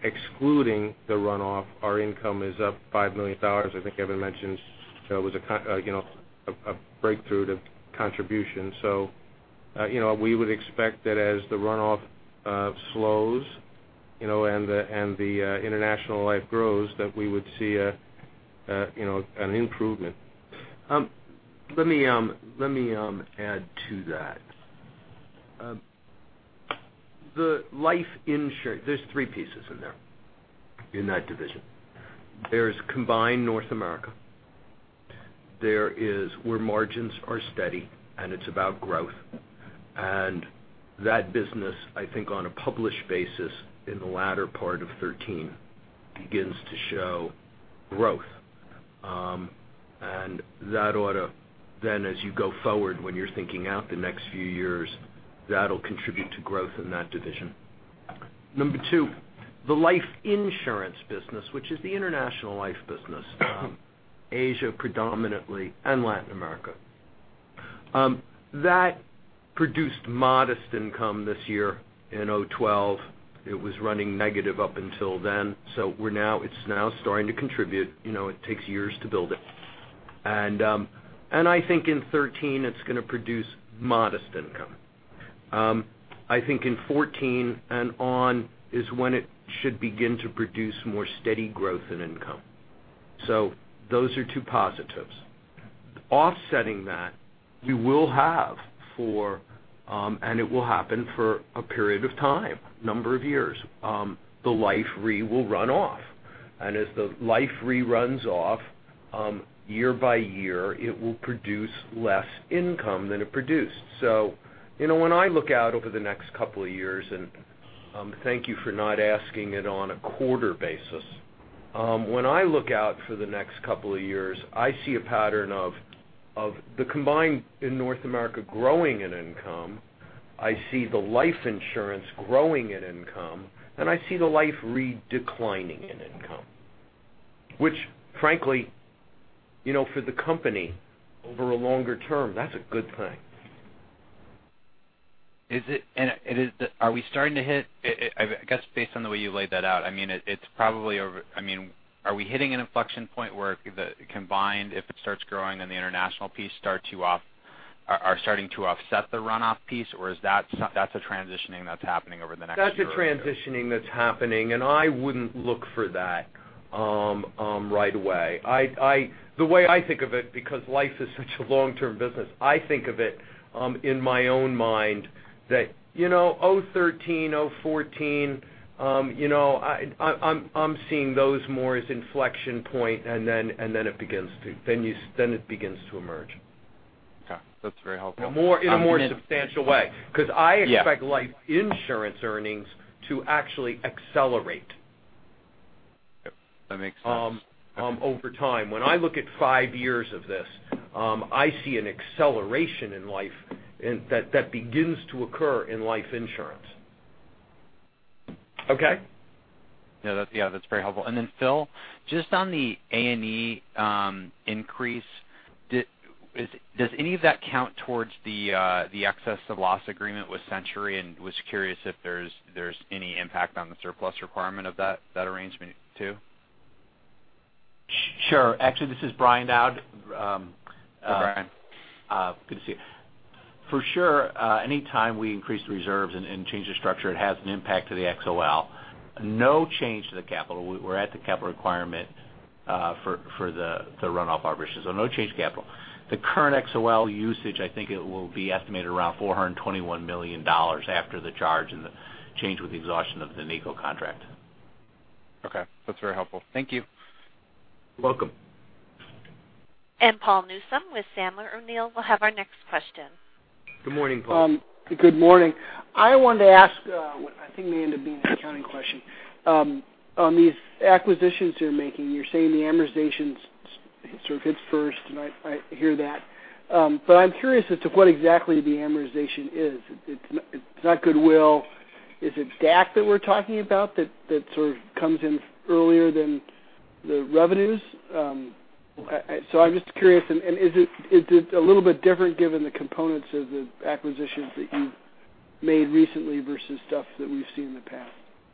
Excluding the runoff, our income is up $5 million. I think Evan mentioned it was a breakthrough to contribution. We would expect that as the runoff slows and the international life grows, that we would see an improvement. Let me add to that. There's three pieces in there in that division. There's combined North America. There is where margins are steady, and it's about growth. That business, I think on a published basis in the latter part of 2013, begins to show growth. As you go forward, when you're thinking out the next few years, that'll contribute to growth in that division. Number two, the life insurance business, which is the international life business, Asia predominantly and Latin America. That produced modest income this year in 2012. It was running negative up until then. It's now starting to contribute. It takes years to build it. I think in 2013 it's going to produce modest income. I think in 2014 and on is when it should begin to produce more steady growth and income. Those are two positives. Offsetting that, you will have for, and it will happen for a period of time, number of years, the life re will run off, and as the life re runs off year by year, it will produce less income than it produced. When I look out over the next couple of years, and thank you for not asking it on a quarter basis. When I look out for the next couple of years, I see a pattern of the combined in North America growing in income. I see the life insurance growing in income, and I see the life re declining in income, which frankly, for the company over a longer term, that's a good thing. Are we starting to hit, I guess based on the way you laid that out, are we hitting an inflection point where the combined, if it starts growing and the international piece are starting to offset the runoff piece, or that's a transitioning that's happening over the next year or two? That's a transitioning that's happening, and I wouldn't look for that right away. The way I think of it, because life is such a long-term business, I think of it in my own mind that 2013, 2014, I'm seeing those more as inflection point and then it begins to emerge. Okay. That's very helpful. In a more substantial way because I expect life insurance earnings to actually accelerate. Yep. That makes sense. Over time. When I look at five years of this, I see an acceleration in life in that that begins to occur in life insurance. Okay? Phil, just on the A&E increase, does any of that count towards the excess of loss agreement with Century and was curious if there's any impact on the surplus requirement of that arrangement too? Sure. Actually, this is Brian Dowd. Hey, Brian. Good to see you. For sure, any time we increase the reserves and change the structure, it has an impact to the XOL. No change to the capital. We're at the capital requirement for the runoff arbitration, so no change to capital. The current XOL usage, I think it will be estimated around $421 million after the charge and the change with the exhaustion of the NICO contract. Okay. That's very helpful. Thank you. You're welcome. Paul Newsome with Sandler O'Neill will have our next question. Good morning, Paul. Good morning. I wanted to ask what I think may end up being an accounting question. On these acquisitions you're making, you're saying the amortization sort of hits first, and I hear that. I'm curious as to what exactly the amortization is. It's not goodwill. Is it DAC that we're talking about that sort of comes in earlier than the revenues? I'm just curious, and is it a little bit different given the components of the acquisitions that you've made recently versus stuff that we've seen in the past?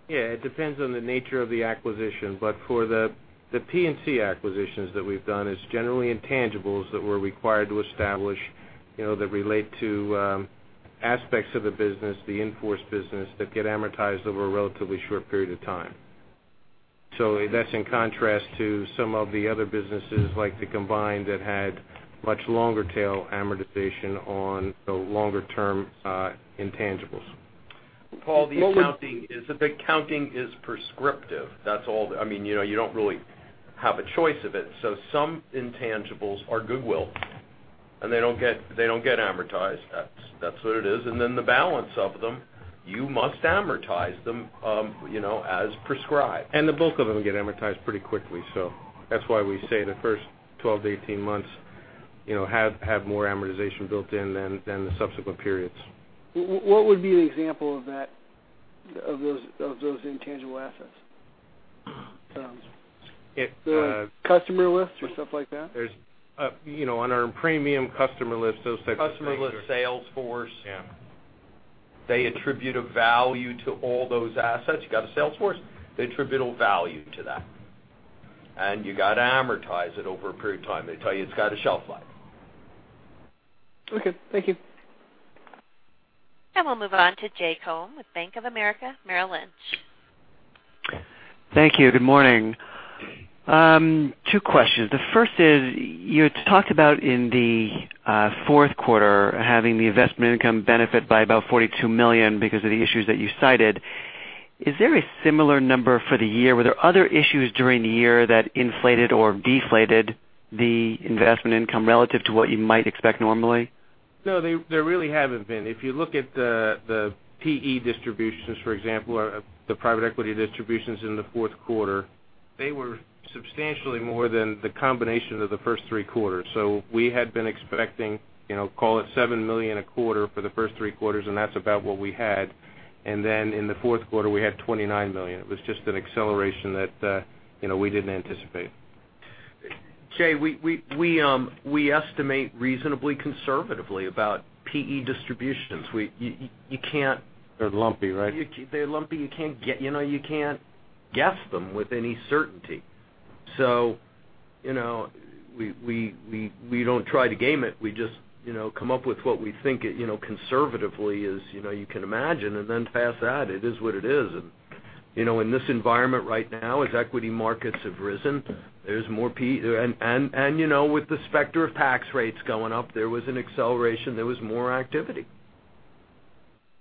Yeah, it depends on the nature of the acquisition. For the P&C acquisitions that we've done, it's generally intangibles that we're required to establish, that relate to aspects of the business, the in-force business, that get amortized over a relatively short period of time. That's in contrast to some of the other businesses like the combined that had much longer tail amortization on the longer-term intangibles. Paul, the accounting is prescriptive. You don't really have a choice of it. Some intangibles are goodwill, and they don't get amortized. That's what it is. The balance of them, you must amortize them as prescribed. The bulk of them get amortized pretty quickly. That's why we say the first 12-18 months have more amortization built in than the subsequent periods. What would be an example of those intangible assets? Customer lists or stuff like that? On our premium customer lists, those types of things. Customer list, sales force. Yeah. They attribute a value to all those assets. You got a sales force, they attribute a value to that, and you got to amortize it over a period of time. They tell you it's got a shelf life. Okay, thank you. We'll move on to Jay Cohen with Bank of America Merrill Lynch. Thank you. Good morning. Two questions. The first is, you had talked about in the fourth quarter having the investment income benefit by about $42 million because of the issues that you cited. Is there a similar number for the year? Were there other issues during the year that inflated or deflated the investment income relative to what you might expect normally? There really haven't been. If you look at the PE distributions, for example, the private equity distributions in the fourth quarter, they were substantially more than the combination of the first three quarters. We had been expecting, call it $7 million a quarter for the first three quarters, and that's about what we had. In the fourth quarter, we had $29 million. It was just an acceleration that we didn't anticipate. Jay, we estimate reasonably conservatively about PE distributions. They're lumpy, right? They're lumpy. You can't guess them with any certainty. We don't try to game it. We just come up with what we think conservatively is you can imagine, and then past that, it is what it is. In this environment right now, as equity markets have risen, and with the specter of tax rates going up, there was an acceleration, there was more activity.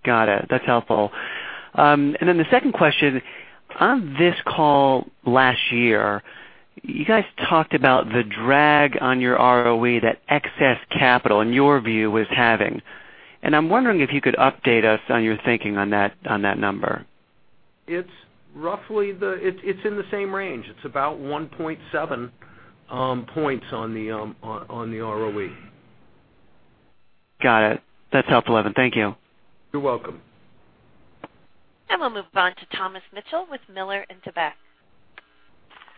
Got it. That's helpful. The second question, on this call last year, you guys talked about the drag on your ROE that excess capital, in your view, was having, and I'm wondering if you could update us on your thinking on that number. It's in the same range. It's about 1.7 points on the ROE. Got it. That's helpful, Evan. Thank you. You're welcome. We'll move on to Thomas Mitchell with Miller Tabak.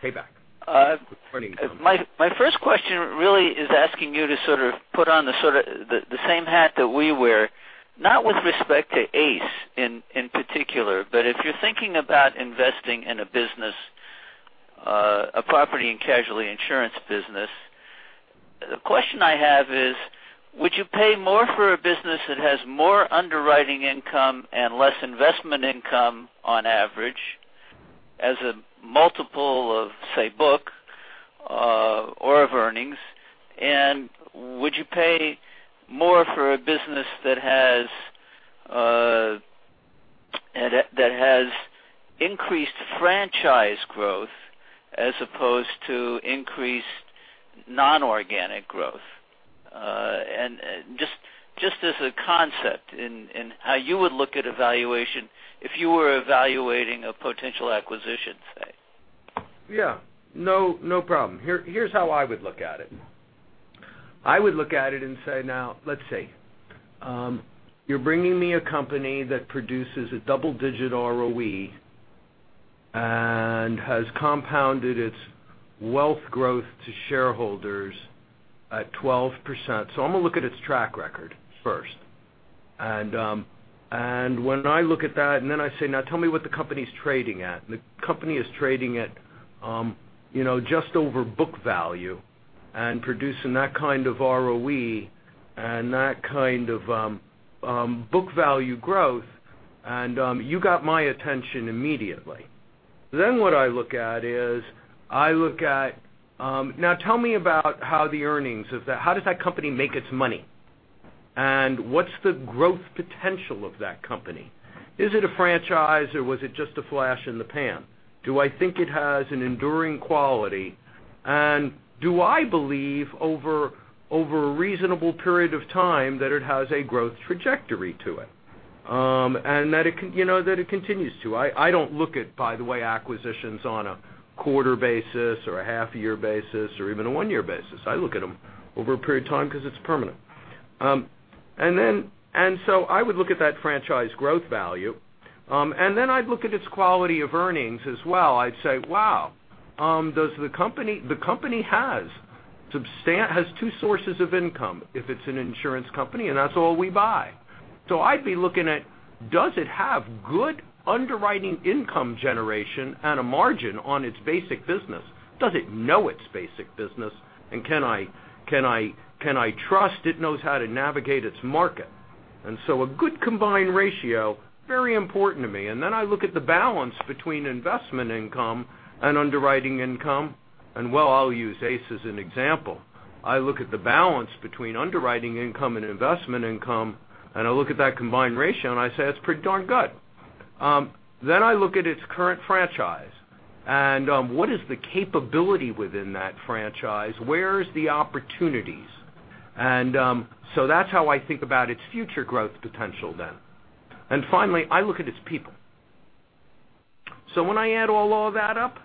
Tabak. Good morning, gentlemen. My first question really is asking you to sort of put on the same hat that we wear, not with respect to ACE in particular, but if you're thinking about investing in a business, a property and casualty insurance business, the question I have is, would you pay more for a business that has more underwriting income and less investment income on average as a multiple of, say, book or of earnings? Would you pay more for a business that has increased franchise growth as opposed to increased non-organic growth? Just as a concept in how you would look at evaluation if you were evaluating a potential acquisition, say. Yeah. No problem. Here's how I would look at it. I would look at it and say, now let's see. You're bringing me a company that produces a double-digit ROE and has compounded its wealth growth to shareholders at 12%. I'm going to look at its track record first. When I look at that and then I say, "Now tell me what the company is trading at." The company is trading at just over book value and producing that kind of ROE and that kind of book value growth, and you got my attention immediately. What I look at is, I look at, now tell me about how the earnings, how does that company make its money? What's the growth potential of that company? Is it a franchise or was it just a flash in the pan? Do I think it has an enduring quality? Do I believe over a reasonable period of time that it has a growth trajectory to it, and that it continues to? I don't look at, by the way, acquisitions on a quarter basis or a half-year basis or even a one-year basis. I look at them over a period of time because it's permanent. I would look at that franchise growth value, then I'd look at its quality of earnings as well. I'd say, "Wow, the company has two sources of income," if it's an insurance company, and that's all we buy. I'd be looking at, does it have good underwriting income generation and a margin on its basic business? Does it know its basic business, and can I trust it knows how to navigate its market? A good combined ratio, very important to me. I look at the balance between investment income and underwriting income. Well, I'll use ACE as an example. I look at the balance between underwriting income and investment income, I look at that combined ratio, and I say, "It's pretty darn good." I look at its current franchise and what is the capability within that franchise. Where's the opportunities? That's how I think about its future growth potential then. Finally, I look at its people. When I add all of that up,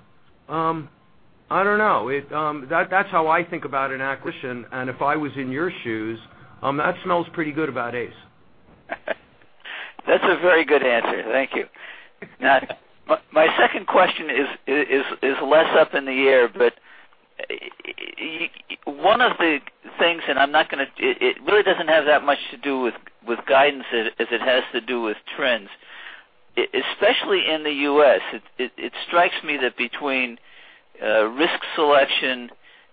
I don't know. That's how I think about an acquisition, and if I was in your shoes, that smells pretty good about ACE. That's a very good answer. Thank you. My second question is less up in the air, but one of the things, it really doesn't have that much to do with guidance as it has to do with trends. Especially in the U.S., it strikes me that between risk selection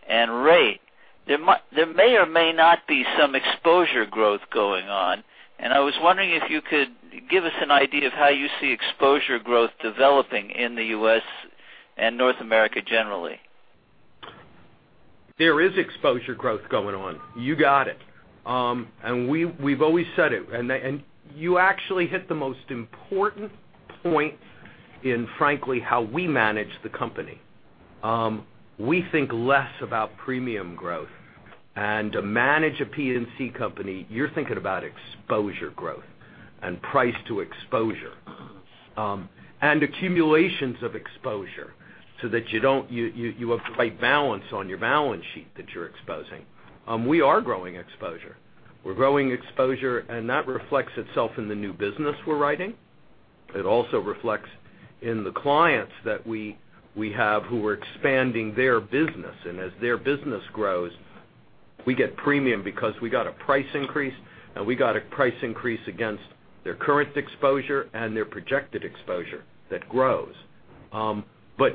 and rate, there may or may not be some exposure growth going on, and I was wondering if you could give us an idea of how you see exposure growth developing in the U.S. and North America generally. There is exposure growth going on. You got it. We've always said it, and you actually hit the most important point in, frankly, how we manage the company. We think less about premium growth and to manage a P&C company, you're thinking about exposure growth and price to exposure, and accumulations of exposure, so that you have the right balance on your balance sheet that you're exposing. We are growing exposure. We're growing exposure, and that reflects itself in the new business we're writing. It also reflects in the clients that we have who are expanding their business. As their business grows, we get premium because we got a price increase, and we got a price increase against their current exposure and their projected exposure that grows.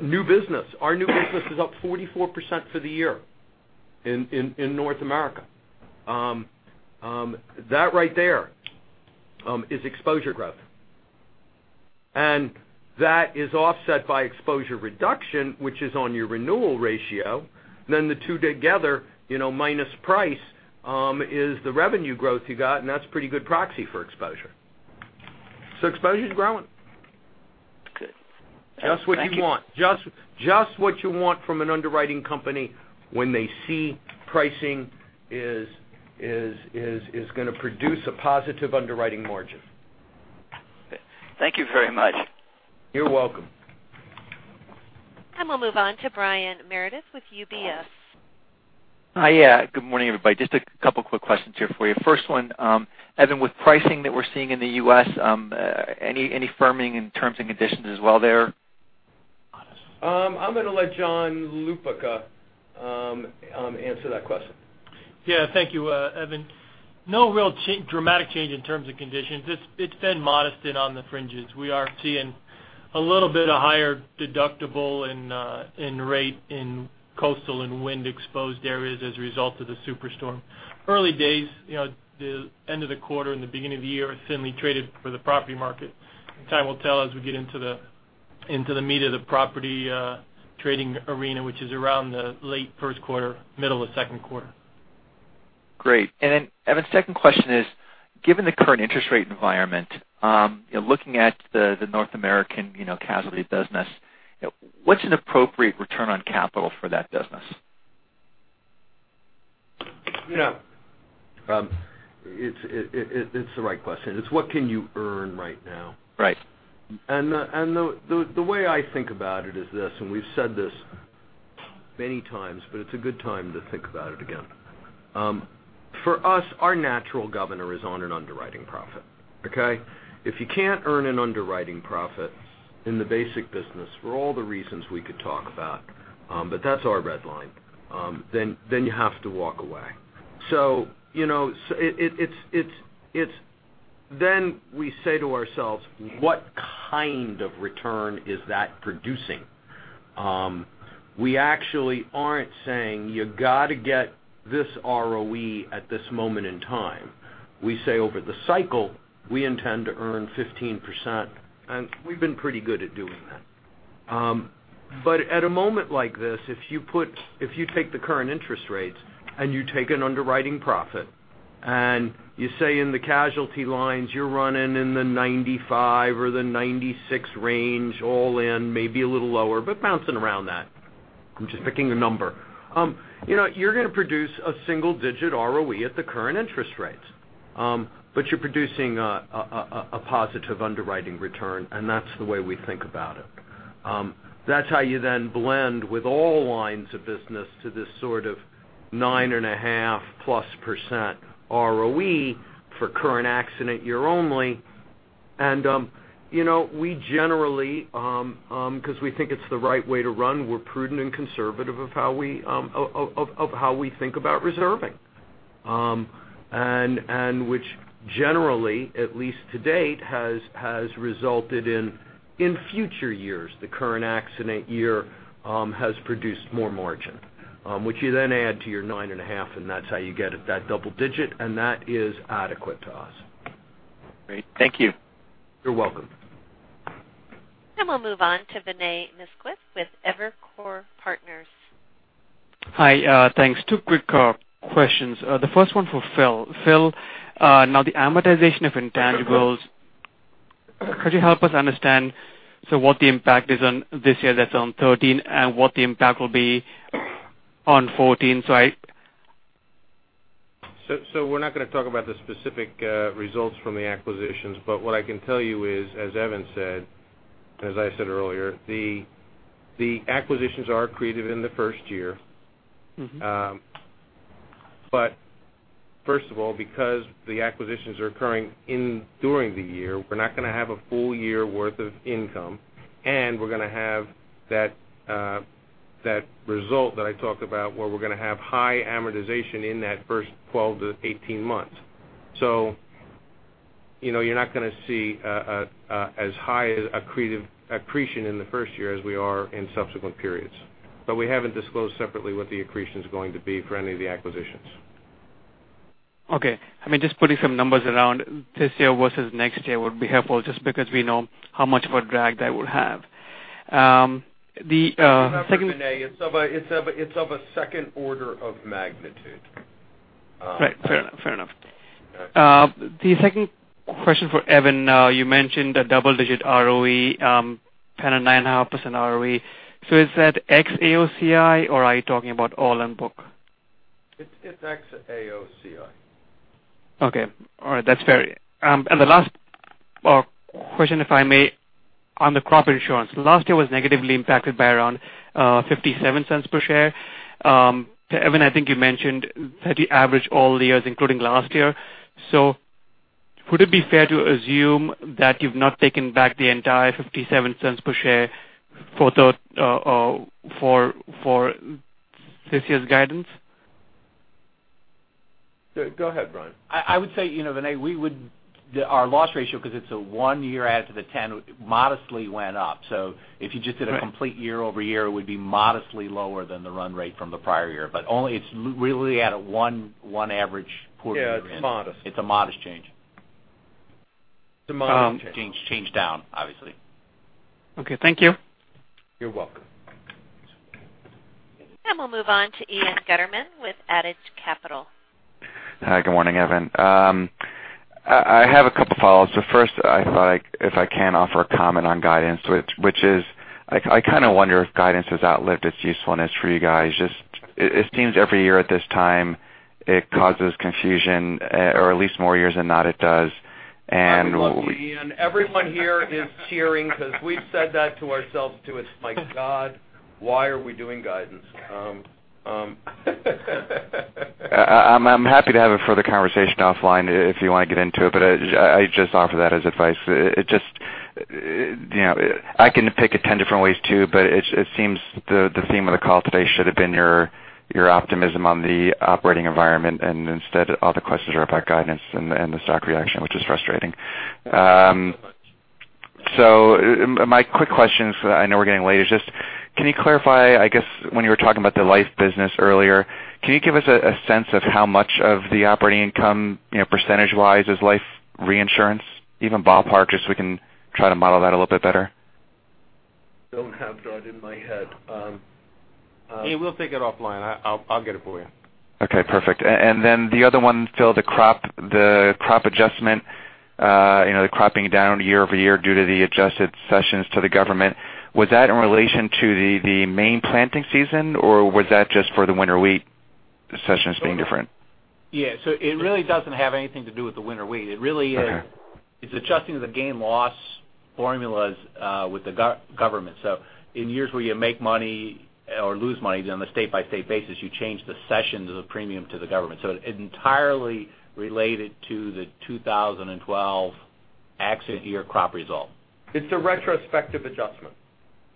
New business, our new business is up 44% for the year in North America. That right there is exposure growth, that is offset by exposure reduction, which is on your renewal ratio. The two together, minus price, is the revenue growth you got, that's pretty good proxy for exposure. Exposure's growing. Good. Just what you want. Thank you. Just what you want from an underwriting company when they see pricing is going to produce a positive underwriting margin. Thank you very much. You're welcome. We'll move on to Brian Meredith with UBS. Hi. Good morning, everybody. Just a couple quick questions here for you. First one, Evan, with pricing that we're seeing in the U.S., any firming in terms and conditions as well there? I'm going to let John Lupica answer that question. Yeah, thank you, Evan. No real dramatic change in terms and conditions. It's been modest and on the fringes. We are seeing a little bit of higher deductible and rate in coastal and wind-exposed areas as a result of the Superstorm. Early days. The end of the quarter and the beginning of the year are thinly traded for the property market. Time will tell as we get into the meat of the property trading arena, which is around the late first quarter, middle of second quarter. Great. Evan, second question is, given the current interest rate environment, looking at the North American casualty business, what's an appropriate return on capital for that business? Yeah. It's the right question. It's what can you earn right now? Right. The way I think about it is this, and we've said this many times, but it's a good time to think about it again. For us, our natural governor is on an underwriting profit, okay? If you can't earn an underwriting profit in the basic business for all the reasons we could talk about, but that's our red line, you have to walk away. We say to ourselves, "You got to get this ROE at this moment in time." We say over the cycle, we intend to earn 15%, and we've been pretty good at doing that. At a moment like this, if you take the current interest rates and you take an underwriting profit, and you say in the casualty lines you're running in the 95 or the 96 range all in, maybe a little lower, but bouncing around that. I'm just picking a number. You're going to produce a single-digit ROE at the current interest rates. You're producing a positive underwriting return, and that's the way we think about it. That's how you then blend with all lines of business to this sort of nine and a half plus % ROE for current accident year only. We generally, because we think it's the right way to run, we're prudent and conservative of how we think about reserving. Which generally, at least to date, has resulted in future years, the current accident year has produced more margin, which you then add to your nine and a half, and that's how you get at that double-digit, and that is adequate to us. Great. Thank you. You're welcome. We'll move on to Vinay Misquith with Evercore Partners. Hi, thanks. Two quick questions. The first one for Phil. Phil, now the amortization of intangibles, could you help us understand what the impact is on this year that's on 2013 and what the impact will be on 2014? We're not going to talk about the specific results from the acquisitions, but what I can tell you is, as Evan said, as I said earlier, the acquisitions are accretive in the first year. First of all, because the acquisitions are occurring during the year, we're not going to have a full year worth of income, and we're going to have that result that I talked about where we're going to have high amortization in that first 12 to 18 months. You're not going to see as high accretion in the first year as we are in subsequent periods. We haven't disclosed separately what the accretion is going to be for any of the acquisitions. Okay. Just putting some numbers around this year versus next year would be helpful just because we know how much of a drag that would have. Remember, Vinay, it's of a second order of magnitude. Right. Fair enough. Okay. The second question for Evan. You mentioned a double-digit ROE and a 9.5% ROE. Is that ex AOCI or are you talking about all in book? It's ex AOCI. Okay. All right. That's fair. The last question, if I may, on the crop insurance. Last year was negatively impacted by around $0.57 per share. Evan, I think you mentioned that you average all the years, including last year. Would it be fair to assume that you've not taken back the entire $0.57 per share for this year's guidance? Go ahead, Brian. I would say, Vinay, our loss ratio, because it's a one year add to the 10, modestly went up. If you just did a complete year-over-year, it would be modestly lower than the run rate from the prior year. It's really at a one average poor year. Yeah, it's modest. It's a modest change. It's a modest change. Change down, obviously. Okay, thank you. You're welcome. We'll move on to Ian Gutterman with Adage Capital. Hi, good morning, Evan. I have a couple follows. The first, if I can offer a comment on guidance, which is I kind of wonder if guidance has outlived its usefulness for you guys. Just it seems every year at this time it causes confusion, or at least more years than not it does. Lucky Ian. Everyone here is cheering because we've said that to ourselves, too. It's like, "God, why are we doing guidance? I'm happy to have a further conversation offline if you want to get into it, but I just offer that as advice. I can pick it 10 different ways, too, but it seems the theme of the call today should have been your optimism on the operating environment, and instead all the questions are about guidance and the stock reaction, which is frustrating. Thanks so much. My quick questions, I know we're getting late, is just can you clarify, I guess when you were talking about the life business earlier, can you give us a sense of how much of the operating income, percentage-wise is life reinsurance? Even ballpark, just so we can try to model that a little bit better. Don't have that in my head. Ian, we'll take it offline. I'll get it for you. Okay, perfect. The other one, Phil, the crop adjustment, the cropping down year-over-year due to the adjusted sessions to the government. Was that in relation to the main planting season, or was that just for the winter wheat sessions being different? Yeah. It really doesn't have anything to do with the winter wheat. Okay. It's adjusting the gain/loss formulas with the government. In years where you make money or lose money on a state-by-state basis, you change the sessions of the premium to the government. Entirely related to the 2012 accident year crop result. It's a retrospective adjustment.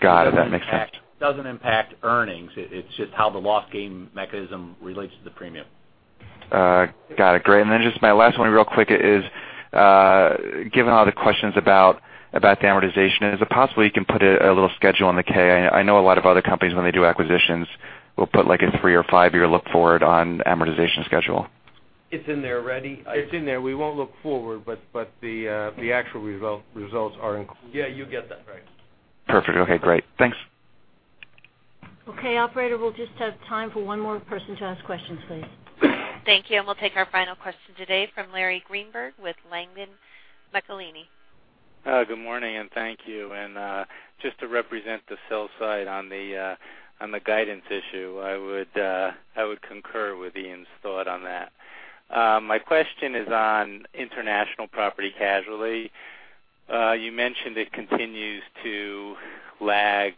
Got it. That makes sense. Doesn't impact earnings. It's just how the loss gain mechanism relates to the premium. Got it. Great. Just my last one real quick is given all the questions about the amortization, is it possible you can put a little schedule in the K? I know a lot of other companies when they do acquisitions will put like a three or five-year look-forward on amortization schedule. It's in there already. It's in there. We won't look forward, but the actual results are included. Yeah, you'll get that. Right. Perfect. Okay, great. Thanks. Okay. Operator, we'll just have time for one more person to ask questions, please. Thank you. We'll take our final question today from Larry Greenberg with Langen McAlenney. Good morning, and thank you. Just to represent the sell side on the guidance issue, I would concur with Ian's thought on that. My question is on international property casualty. You mentioned it continues to lag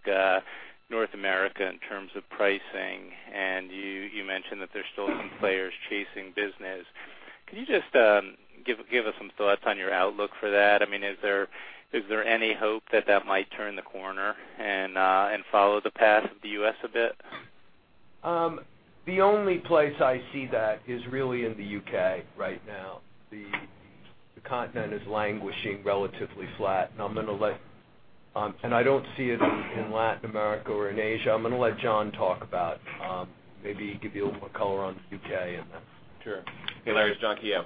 North America in terms of pricing, and you mentioned that there's still some players chasing business. Can you just give us some thoughts on your outlook for that? Is there any hope that that might turn the corner and follow the path of the U.S. a bit? The only place I see that is really in the U.K. right now. The continent is languishing relatively flat. I don't see it in Latin America or in Asia. I'm going to let John talk about, maybe give you a little more color on the U.K. and that. Sure. Hey, Larry. John Keough.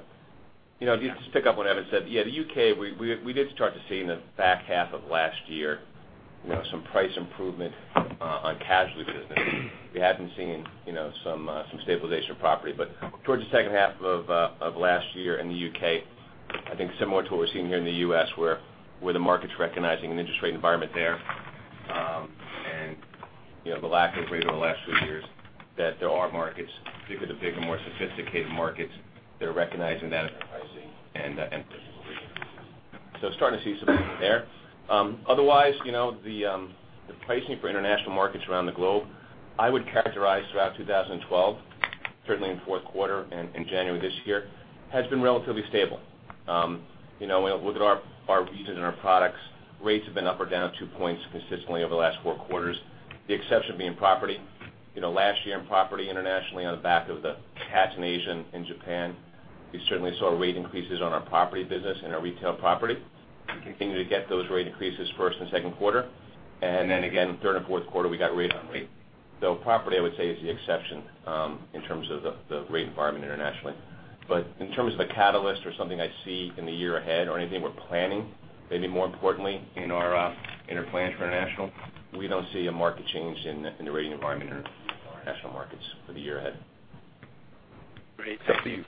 To just pick up what Evan said, yeah, the U.K., we did start to see in the back half of last year some price improvement on casualty business. We haven't seen some stabilization of property. Towards the second half of last year in the U.K., I think similar to what we're seeing here in the U.S., where the market's recognizing an interest rate environment there. The lack of rate over the last few years, that there are markets, particularly the bigger, more sophisticated markets, that are recognizing that in their pricing. Starting to see some movement there. Otherwise, the pricing for international markets around the globe, I would characterize throughout 2012, certainly in Q4 and January this year, has been relatively stable. With our regions and our products, rates have been up or down two points consistently over the last four quarters. The exception being property. Last year in property internationally on the back of the cat in Asia and Japan, we certainly saw rate increases on our property business and our retail property. We continue to get those rate increases first and second quarter. Then again, third and fourth quarter, we got rate on rate. Property, I would say, is the exception in terms of the rate environment internationally. In terms of the catalyst or something I see in the year ahead or anything we're planning, maybe more importantly in our plans for international, we don't see a market change in the rating environment or international markets for the year ahead. Great. Thank you.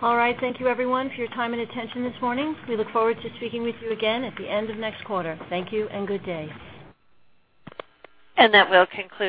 All right. Thank you everyone for your time and attention this morning. We look forward to speaking with you again at the end of next quarter. Thank you and good day. That will conclude.